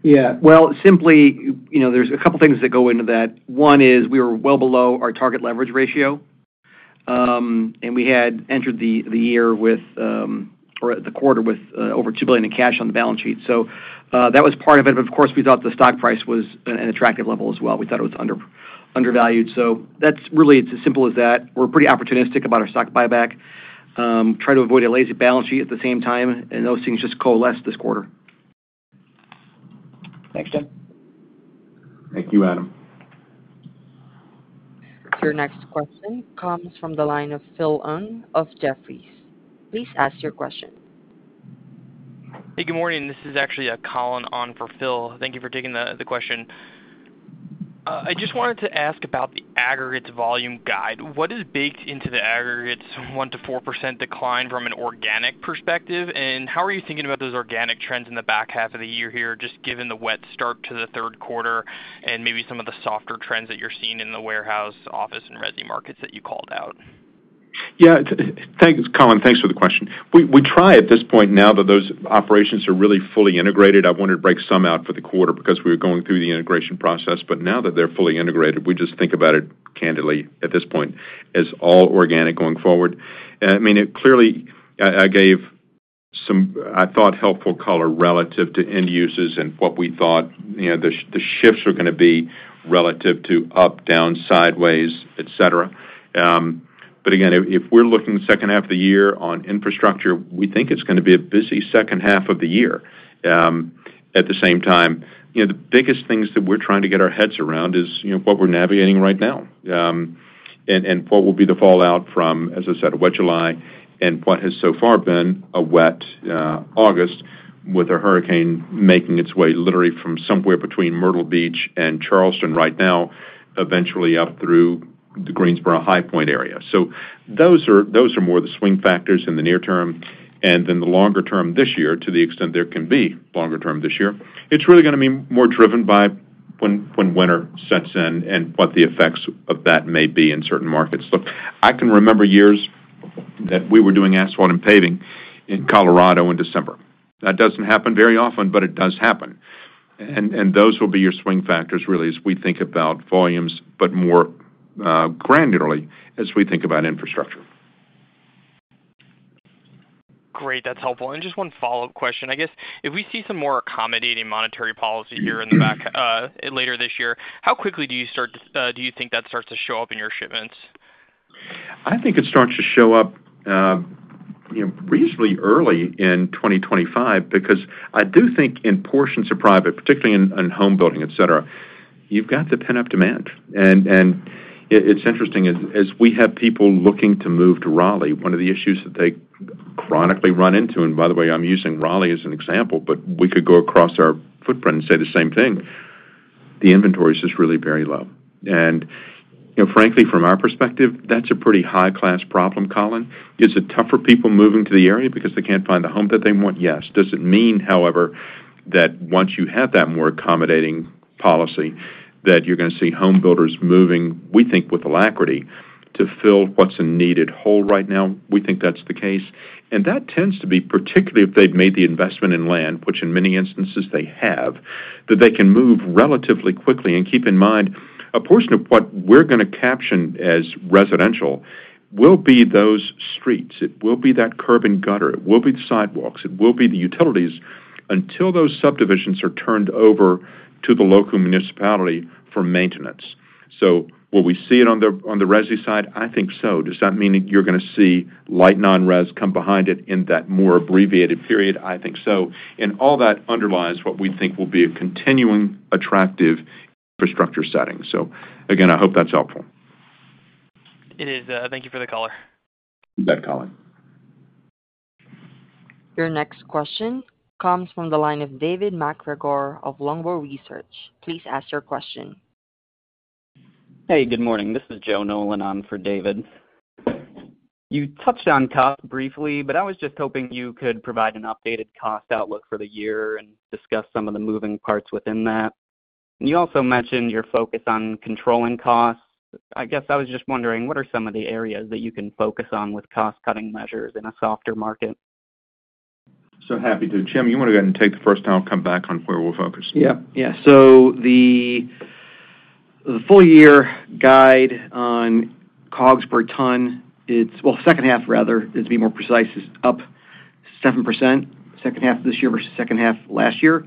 Yeah, well, simply, you know, there's a couple of things that go into that. One is we were well below our target leverage ratio, and we had entered the year with, or the quarter with, over $2 billion in cash on the balance sheet. So, that was part of it. But of course, we thought the stock price was an attractive level as well. We thought it was under, undervalued. So that's really, it's as simple as that. We're pretty opportunistic about our stock buyback. Try to avoid a lazy balance sheet at the same time, and those things just coalesced this quarter. Thanks, Tim. Thank you, Adam. Your next question comes from the line of Phil Ng of Jefferies. Please ask your question. Hey, good morning. This is actually, Colin on for Phil. Thank you for taking the question. I just wanted to ask about the aggregates volume guide. What is baked into the aggregates 1% to 4% decline from an organic perspective? And how are you thinking about those organic trends in the back half of the year here, just given the wet start to the third quarter and maybe some of the softer trends that you're seeing in the warehouse, office, and resi markets that you called out? Yeah, it's. Thanks, Colin. Thanks for the question. We, we try at this point, now that those operations are really fully integrated, I wanted to break some out for the quarter because we were going through the integration process. But now that they're fully integrated, we just think about it candidly, at this point, as all organic going forward. ,I mean, it clearly, I, I gave some, I thought, helpful color relative to end users and what we thought, you know, the, the shifts are gonna be relative to up, down, sideways, etc. But again, if, if we're looking the second half of the year on infrastructure, we think it's gonna be a busy second half of the year. At the same time, you know, the biggest things that we're trying to get our heads around is, you know, what we're navigating right now, and, and what will be the fallout from, as I said, a wet July and what has so far been a wet, August, with a hurricane making its way literally from somewhere between Myrtle Beach and Charleston right now, eventually up through the Greensboro High Point area. So, those are, those are more the swing factors in the near term, and then the longer term this year, to the extent there can be longer term this year, it's really gonna be more driven by when, when winter sets in and what the effects of that may be in certain markets. Look, I can remember years that we were doing asphalt and paving in Colorado in December. That doesn't happen very often, but it does happen. And those will be your swing factors, really, as we think about volumes, but more granularly as we think about infrastructure. Great, that's helpful. And just one follow-up question. I guess, if we see some more accommodating monetary policy here in the back, later this year, how quickly do you think that starts to show up in your shipments? I think it starts to show up, you know, reasonably early in 2025, because I do think in portions of private, particularly in home building, etc., you've got the pent-up demand. And it's interesting, as we have people looking to move to Raleigh, one of the issues that they chronically run into, and by the way, I'm using Raleigh as an example, but we could go across our footprint and say the same thing. The inventory is just really very low. And, you know, frankly, from our perspective, that's a pretty high-class problem, Colin. Is it tougher people moving to the area because they can't find the home that they want? Yes. Does it mean, however, that once you have that more accommodating policy, that you're gonna see homebuilders moving, we think, with alacrity, to fill what's a needed hole right now? We think that's the case, and that tends to be, particularly if they've made the investment in land, which in many instances they have, that they can move relatively quickly. Keep in mind, a portion of what we're gonna caption as residential will be those streets, it will be that curb and gutter, it will be the sidewalks, it will be the utilities, until those subdivisions are turned over to the local municipality for maintenance. So, will we see it on the, on the resi side? I think so. Does that mean that you're gonna see light non-res come behind it in that more abbreviated period? I think so. All that underlies what we think will be a continuing, attractive infrastructure setting. So again, I hope that's helpful. It is. Thank you for the caller. You bet, Colin. Your next question comes from the line of David MacGregor of Longbow Research. Please ask your question. Hey, good morning. This is Joe Nolan on for David. You touched on cost briefly, but I was just hoping you could provide an updated cost outlook for the year and discuss some of the moving parts within that. You also mentioned your focus on controlling costs. I guess I was just wondering, what are some of the areas that you can focus on with cost-cutting measures in a softer market? So happy to. Jim, you wanna go ahead and take the first, and I'll come back on where we're focused? Yeah. Yeah. So the full year guide on COGS per ton, it's. Well, second half rather, is, to be more precise, is up 7%, second half of this year versus second half of last year.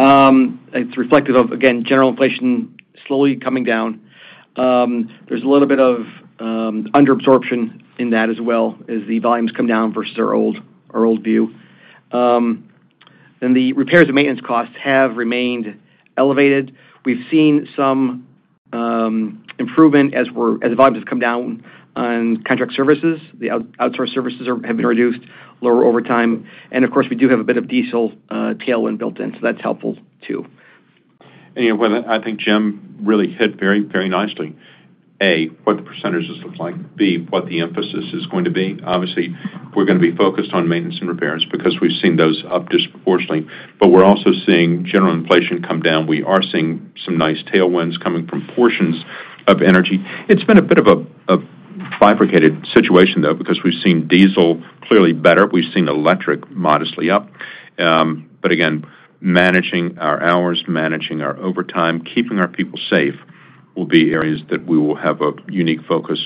It's reflective of, again, general inflation slowly coming down. There's a little bit of under-absorption in that as well as the volumes come down versus our old view. Then the repairs and maintenance costs have remained elevated. We've seen some improvement as the volumes have come down on contract services. The outsourced services have been reduced, lower overtime, and of course, we do have a bit of diesel tailwind built in, so that's helpful too. You know, well, I think Jim really hit very, very nicely, A, what the percentages look like, B, what the emphasis is going to be. Obviously, we're gonna be focused on maintenance and repairs because we've seen those up disproportionately, but we're also seeing general inflation come down. We are seeing some nice tailwinds coming from portions of energy. It's been a bit of a fabricated situation, though, because we've seen diesel clearly better. We've seen electric modestly up. But again, managing our hours, managing our overtime, keeping our people safe, will be areas that we will have a unique focus,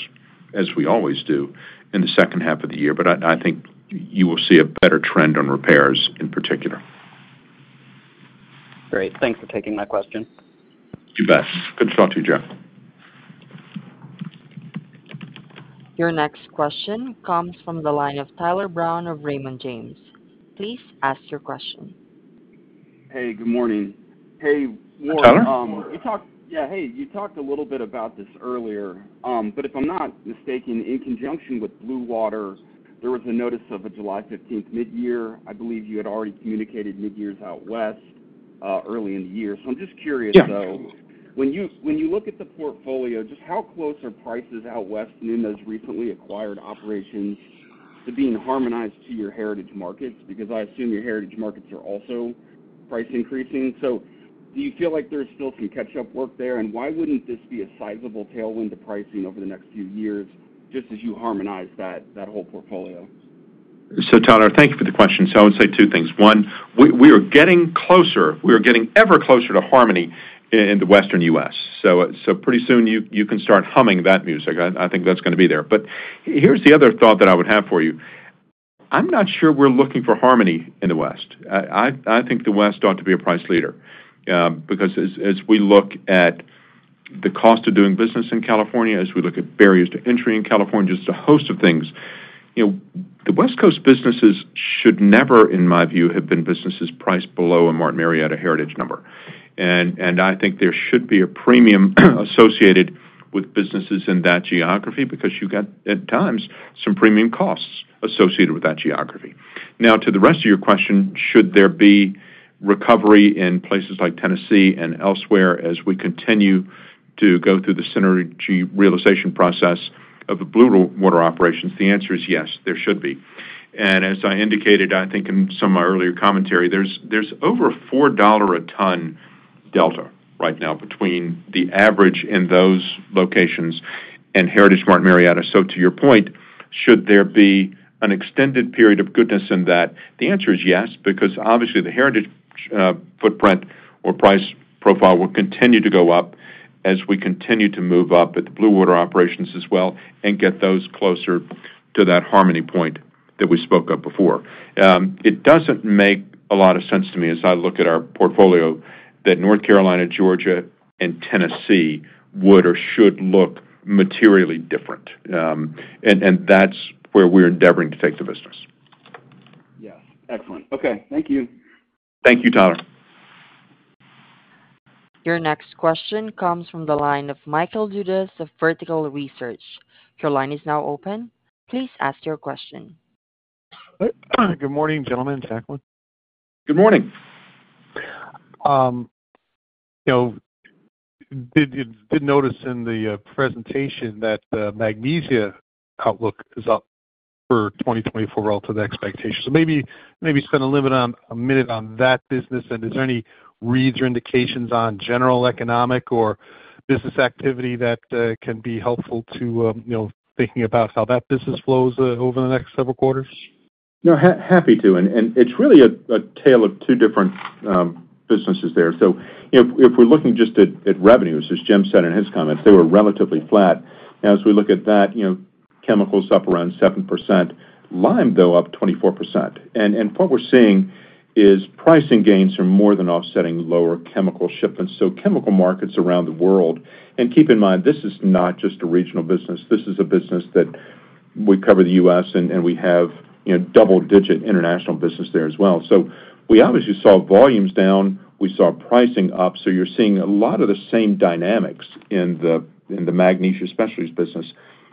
as we always do, in the second half of the year. But I think you will see a better trend on repairs in particular. Great. Thanks for taking my question. You bet. Good to talk to you, Joe. Your next question comes from the line of Tyler Brown of Raymond James. Please ask your question. Hey, good morning. Hey, Ward... Tyler? Yeah, hey, you talked a little bit about this earlier, but if I'm not mistaken, in conjunction with Blue Water, there was a notice of a July fifteenth mid-year. I believe you had already communicated mid-years out west, early in the year. So, I'm just curious, though... Yeah. When you, when you look at the portfolio, just how close are prices out west in those recently acquired operations to being harmonized to your heritage markets? Because I assume your heritage markets are also price increasing. So do you feel like there's still some catch-up work there? And why wouldn't this be a sizable tailwind to pricing over the next few years, just as you harmonize that, that whole portfolio? So, Tyler, thank you for the question. So, I would say two things. One, we are getting closer, we are getting ever closer to harmony in the Western U.S. So pretty soon, you can start humming that music. I think that's gonna be there. But here's the other thought that I would have for you: I'm not sure we're looking for harmony in the West. I think the West ought to be a price leader, because as we look at the cost of doing business in California, as we look at barriers to entry in California, just a host of things, you know, the West Coast businesses should never, in my view, have been businesses priced below a Martin Marietta heritage number. And, and I think there should be a premium associated with businesses in that geography because you got, at times, some premium costs associated with that geography. Now, to the rest of your question, should there be recovery in places like Tennessee and elsewhere as we continue to go through the synergy realization process of the Blue Water operations? The answer is yes, there should be. And as I indicated, I think in some of my earlier commentary, there's, there's over a $4 a ton delta right now between the average in those locations and heritage Martin Marietta. So, to your point, should there be an extended period of goodness in that? The answer is yes, because obviously, the heritage footprint or price profile will continue to go up as we continue to move up at the Blue Water operations as well and get those closer to that harmony point that we spoke of before. It doesn't make a lot of sense to me as I look at our portfolio, that North Carolina, Georgia, and Tennessee would or should look materially different. And that's where we're endeavoring to take the business. Yes. Excellent. Okay, thank you. Thank you, Tyler. Your next question comes from the line of Michael Dudas of Vertical Research. Your line is now open. Please ask your question. Good morning, gentlemen. Jacklyn. Good morning. You know, did notice in the presentation that the magnesia outlook is up for 2024 relative to the expectations. So maybe spend a little bit on, a minute on that business. And is there any reads or indications on general economic or business activity that can be helpful to, you know, thinking about how that business flows over the next several quarters? No, happy to. And it's really a tale of two different businesses there. So, you know, if we're looking just at revenues, as Jim said in his comments, they were relatively flat. As we look at that, you know, chemicals up around 7%, lime, though, up 24%. And what we're seeing is pricing gains are more than offsetting lower chemical shipments, so chemical markets around the world. And keep in mind, this is not just a regional business. This is a business that we cover the U.S., and we have, you know, double-digit international business there as well. So we obviously saw volumes down, we saw pricing up, so you're seeing a lot of the same dynamics in the Magnesia Specialties business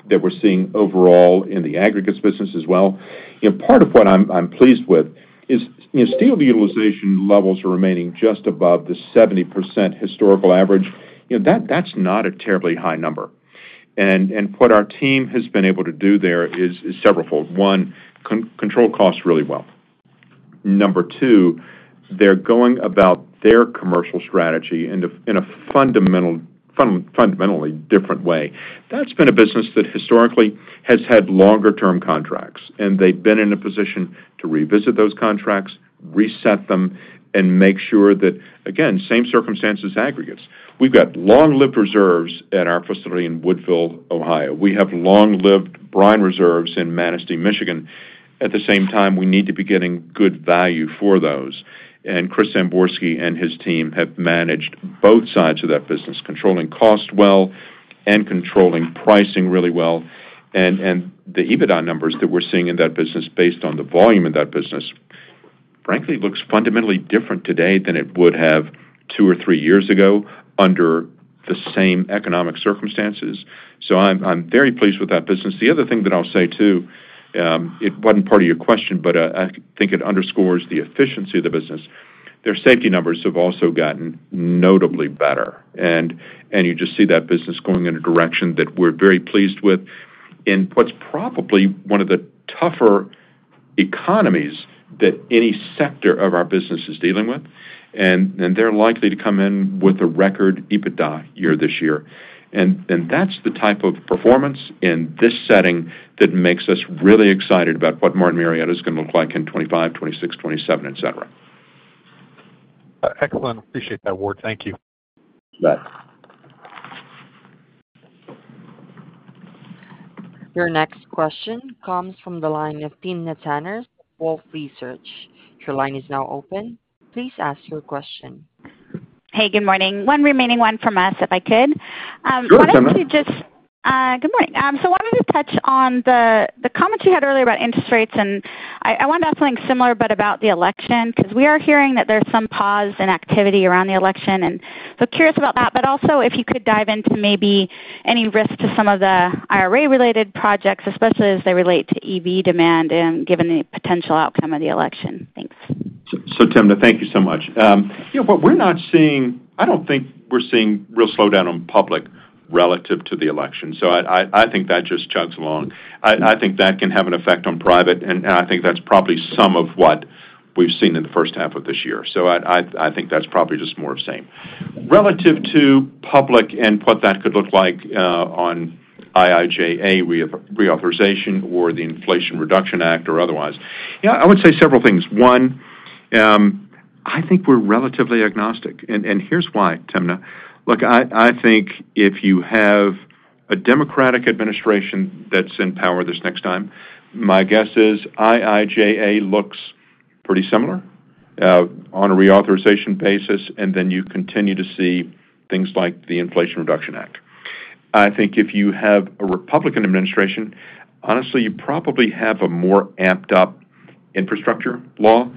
that we're seeing overall in the aggregates business as well. You know, part of what I'm pleased with is, you know, steel utilization levels are remaining just above the 70% historical average. You know, that, that's not a terribly high number. And what our team has been able to do there is severalfold. One, control costs really well. Number two, they're going about their commercial strategy in a fundamentally different way. That's been a business that historically has had longer term contracts, and they've been in a position to revisit those contracts, reset them, and make sure that, again, same circumstance as aggregates. We've got long-lived reserves at our facility in Woodville, Ohio. We have long-lived brine reserves in Manistee, Michigan. At the same time, we need to be getting good value for those. Chris Zamborsky and his team have managed both sides of that business, controlling cost well and controlling pricing really well. And the EBITDA numbers that we're seeing in that business based on the volume in that business, frankly, looks fundamentally different today than it would have two or three years ago under the same economic circumstances. So I'm very pleased with that business. The other thing that I'll say, too, it wasn't part of your question, but I think it underscores the efficiency of the business. Their safety numbers have also gotten notably better, and you just see that business going in a direction that we're very pleased with in what's probably one of the tougher economies that any sector of our business is dealing with. And they're likely to come in with a record EBITDA year this year. And that's the type of performance in this setting that makes us really excited about what Martin Marietta is going to look like in 2025, 2026, 2027, etc. Excellent. Appreciate that, Ward. Thank you. You bet. Your next question comes from the line of Timna Tanners, Wolfe Research. Your line is now open. Please ask your question. Hey, good morning. One remaining one from us, if I could. Sure, Timna. Good morning. So why don't you touch on the comments you had earlier about interest rates, and I wanted to ask something similar, but about the election, 'cause we are hearing that there's some pause in activity around the election, and so curious about that. But also, if you could dive into maybe any risk to some of the IRA-related projects, especially as they relate to EV demand and given the potential outcome of the election. Thanks. So, Timna, thank you so much. You know what we're not seeing—I don't think we're seeing real slowdown on public relative to the election, so I think that just chugs along. I think that can have an effect on private, and I think that's probably some of what we've seen in the first half of this year. So I think that's probably just more of the same. Relative to public and what that could look like, on IIJA reauthorization or the Inflation Reduction Act or otherwise, yeah, I would say several things. One, I think we're relatively agnostic, and here's why, Timna. Look, I think if you have a Democratic administration that's in power this next time, my guess is IIJA looks pretty similar, on a reauthorization basis, and then you continue to see things like the Inflation Reduction Act. I think if you have a Republican administration, honestly, you probably have a more amped-up infrastructure law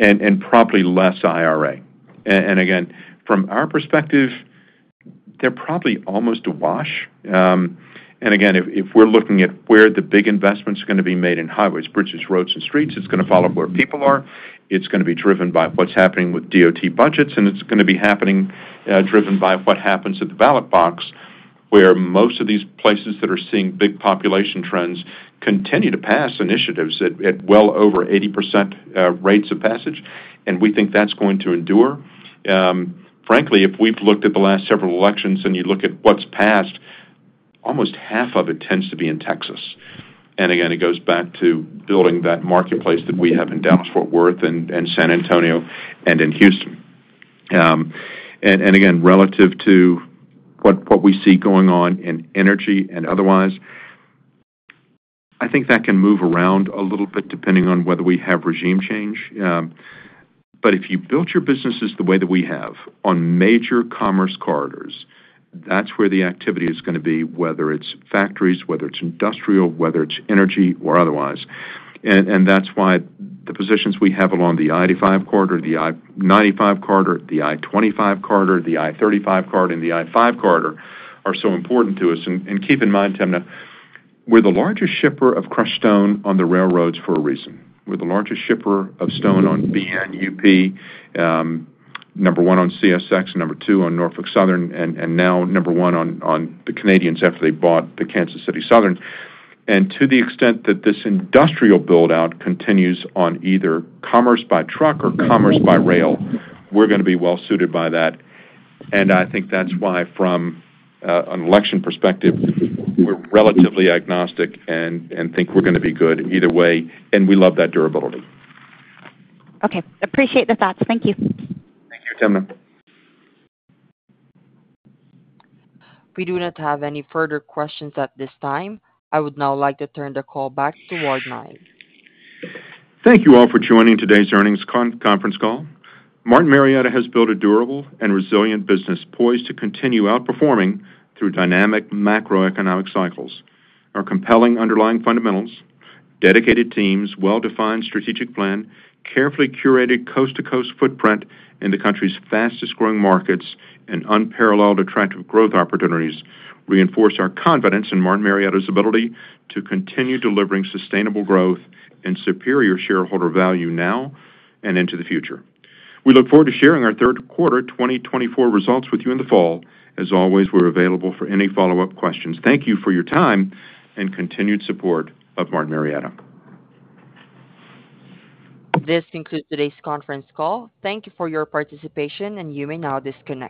and, and probably less IRA. And again, from our perspective, they're probably almost a wash. And again, if we're looking at where the big investment's gonna be made in highways, bridges, roads, and streets, it's gonna follow where people are. It's gonna be driven by what's happening with DOT budgets, and it's gonna be happening, driven by what happens at the ballot box, where most of these places that are seeing big population trends continue to pass initiatives at well over 80% rates of passage, and we think that's going to endure. Frankly, if we've looked at the last several elections and you look at what's passed, almost half of it tends to be in Texas. And again, it goes back to building that marketplace that we have in Dallas-Fort Worth and San Antonio and in Houston. And again, relative to what we see going on in energy and otherwise, I think that can move around a little bit, depending on whether we have regime change. But if you built your businesses the way that we have, on major commerce corridors, that's where the activity is gonna be, whether it's factories, whether it's industrial, whether it's energy or otherwise. And that's why the positions we have along the I-85 corridor, the I-95 corridor, the I-25 corridor, the I-35 corridor and the I-5 corridor are so important to us. And keep in mind, Timna, we're the largest shipper of crushed stone on the railroads for a reason. We're the largest shipper of stone on UP, number one on CSX, number two on Norfolk Southern, and now number one on the Canadians after they bought the Kansas City Southern. And to the extent that this industrial build-out continues on either commerce by truck or commerce by rail, we're gonna be well suited by that. I think that's why, from an election perspective, we're relatively agnostic and think we're gonna be good either way, and we love that durability. Okay, appreciate the thoughts. Thank you. Thank you, Timna. We do not have any further questions at this time. I would now like to turn the call back to Ward Nye. Thank you all for joining today's earnings conference call. Martin Marietta has built a durable and resilient business, poised to continue outperforming through dynamic macroeconomic cycles. Our compelling underlying fundamentals, dedicated teams, well-defined strategic plan, carefully curated coast-to-coast footprint in the country's fastest-growing markets. And unparalleled attractive growth opportunities reinforce our confidence in Martin Marietta's ability to continue delivering sustainable growth and superior shareholder value now and into the future. We look forward to sharing our third quarter 2024 results with you in the fall. As always, we're available for any follow-up questions. Thank you for your time and continued support of Martin Marietta. This concludes today's conference call. Thank you for your participation, and you may now disconnect.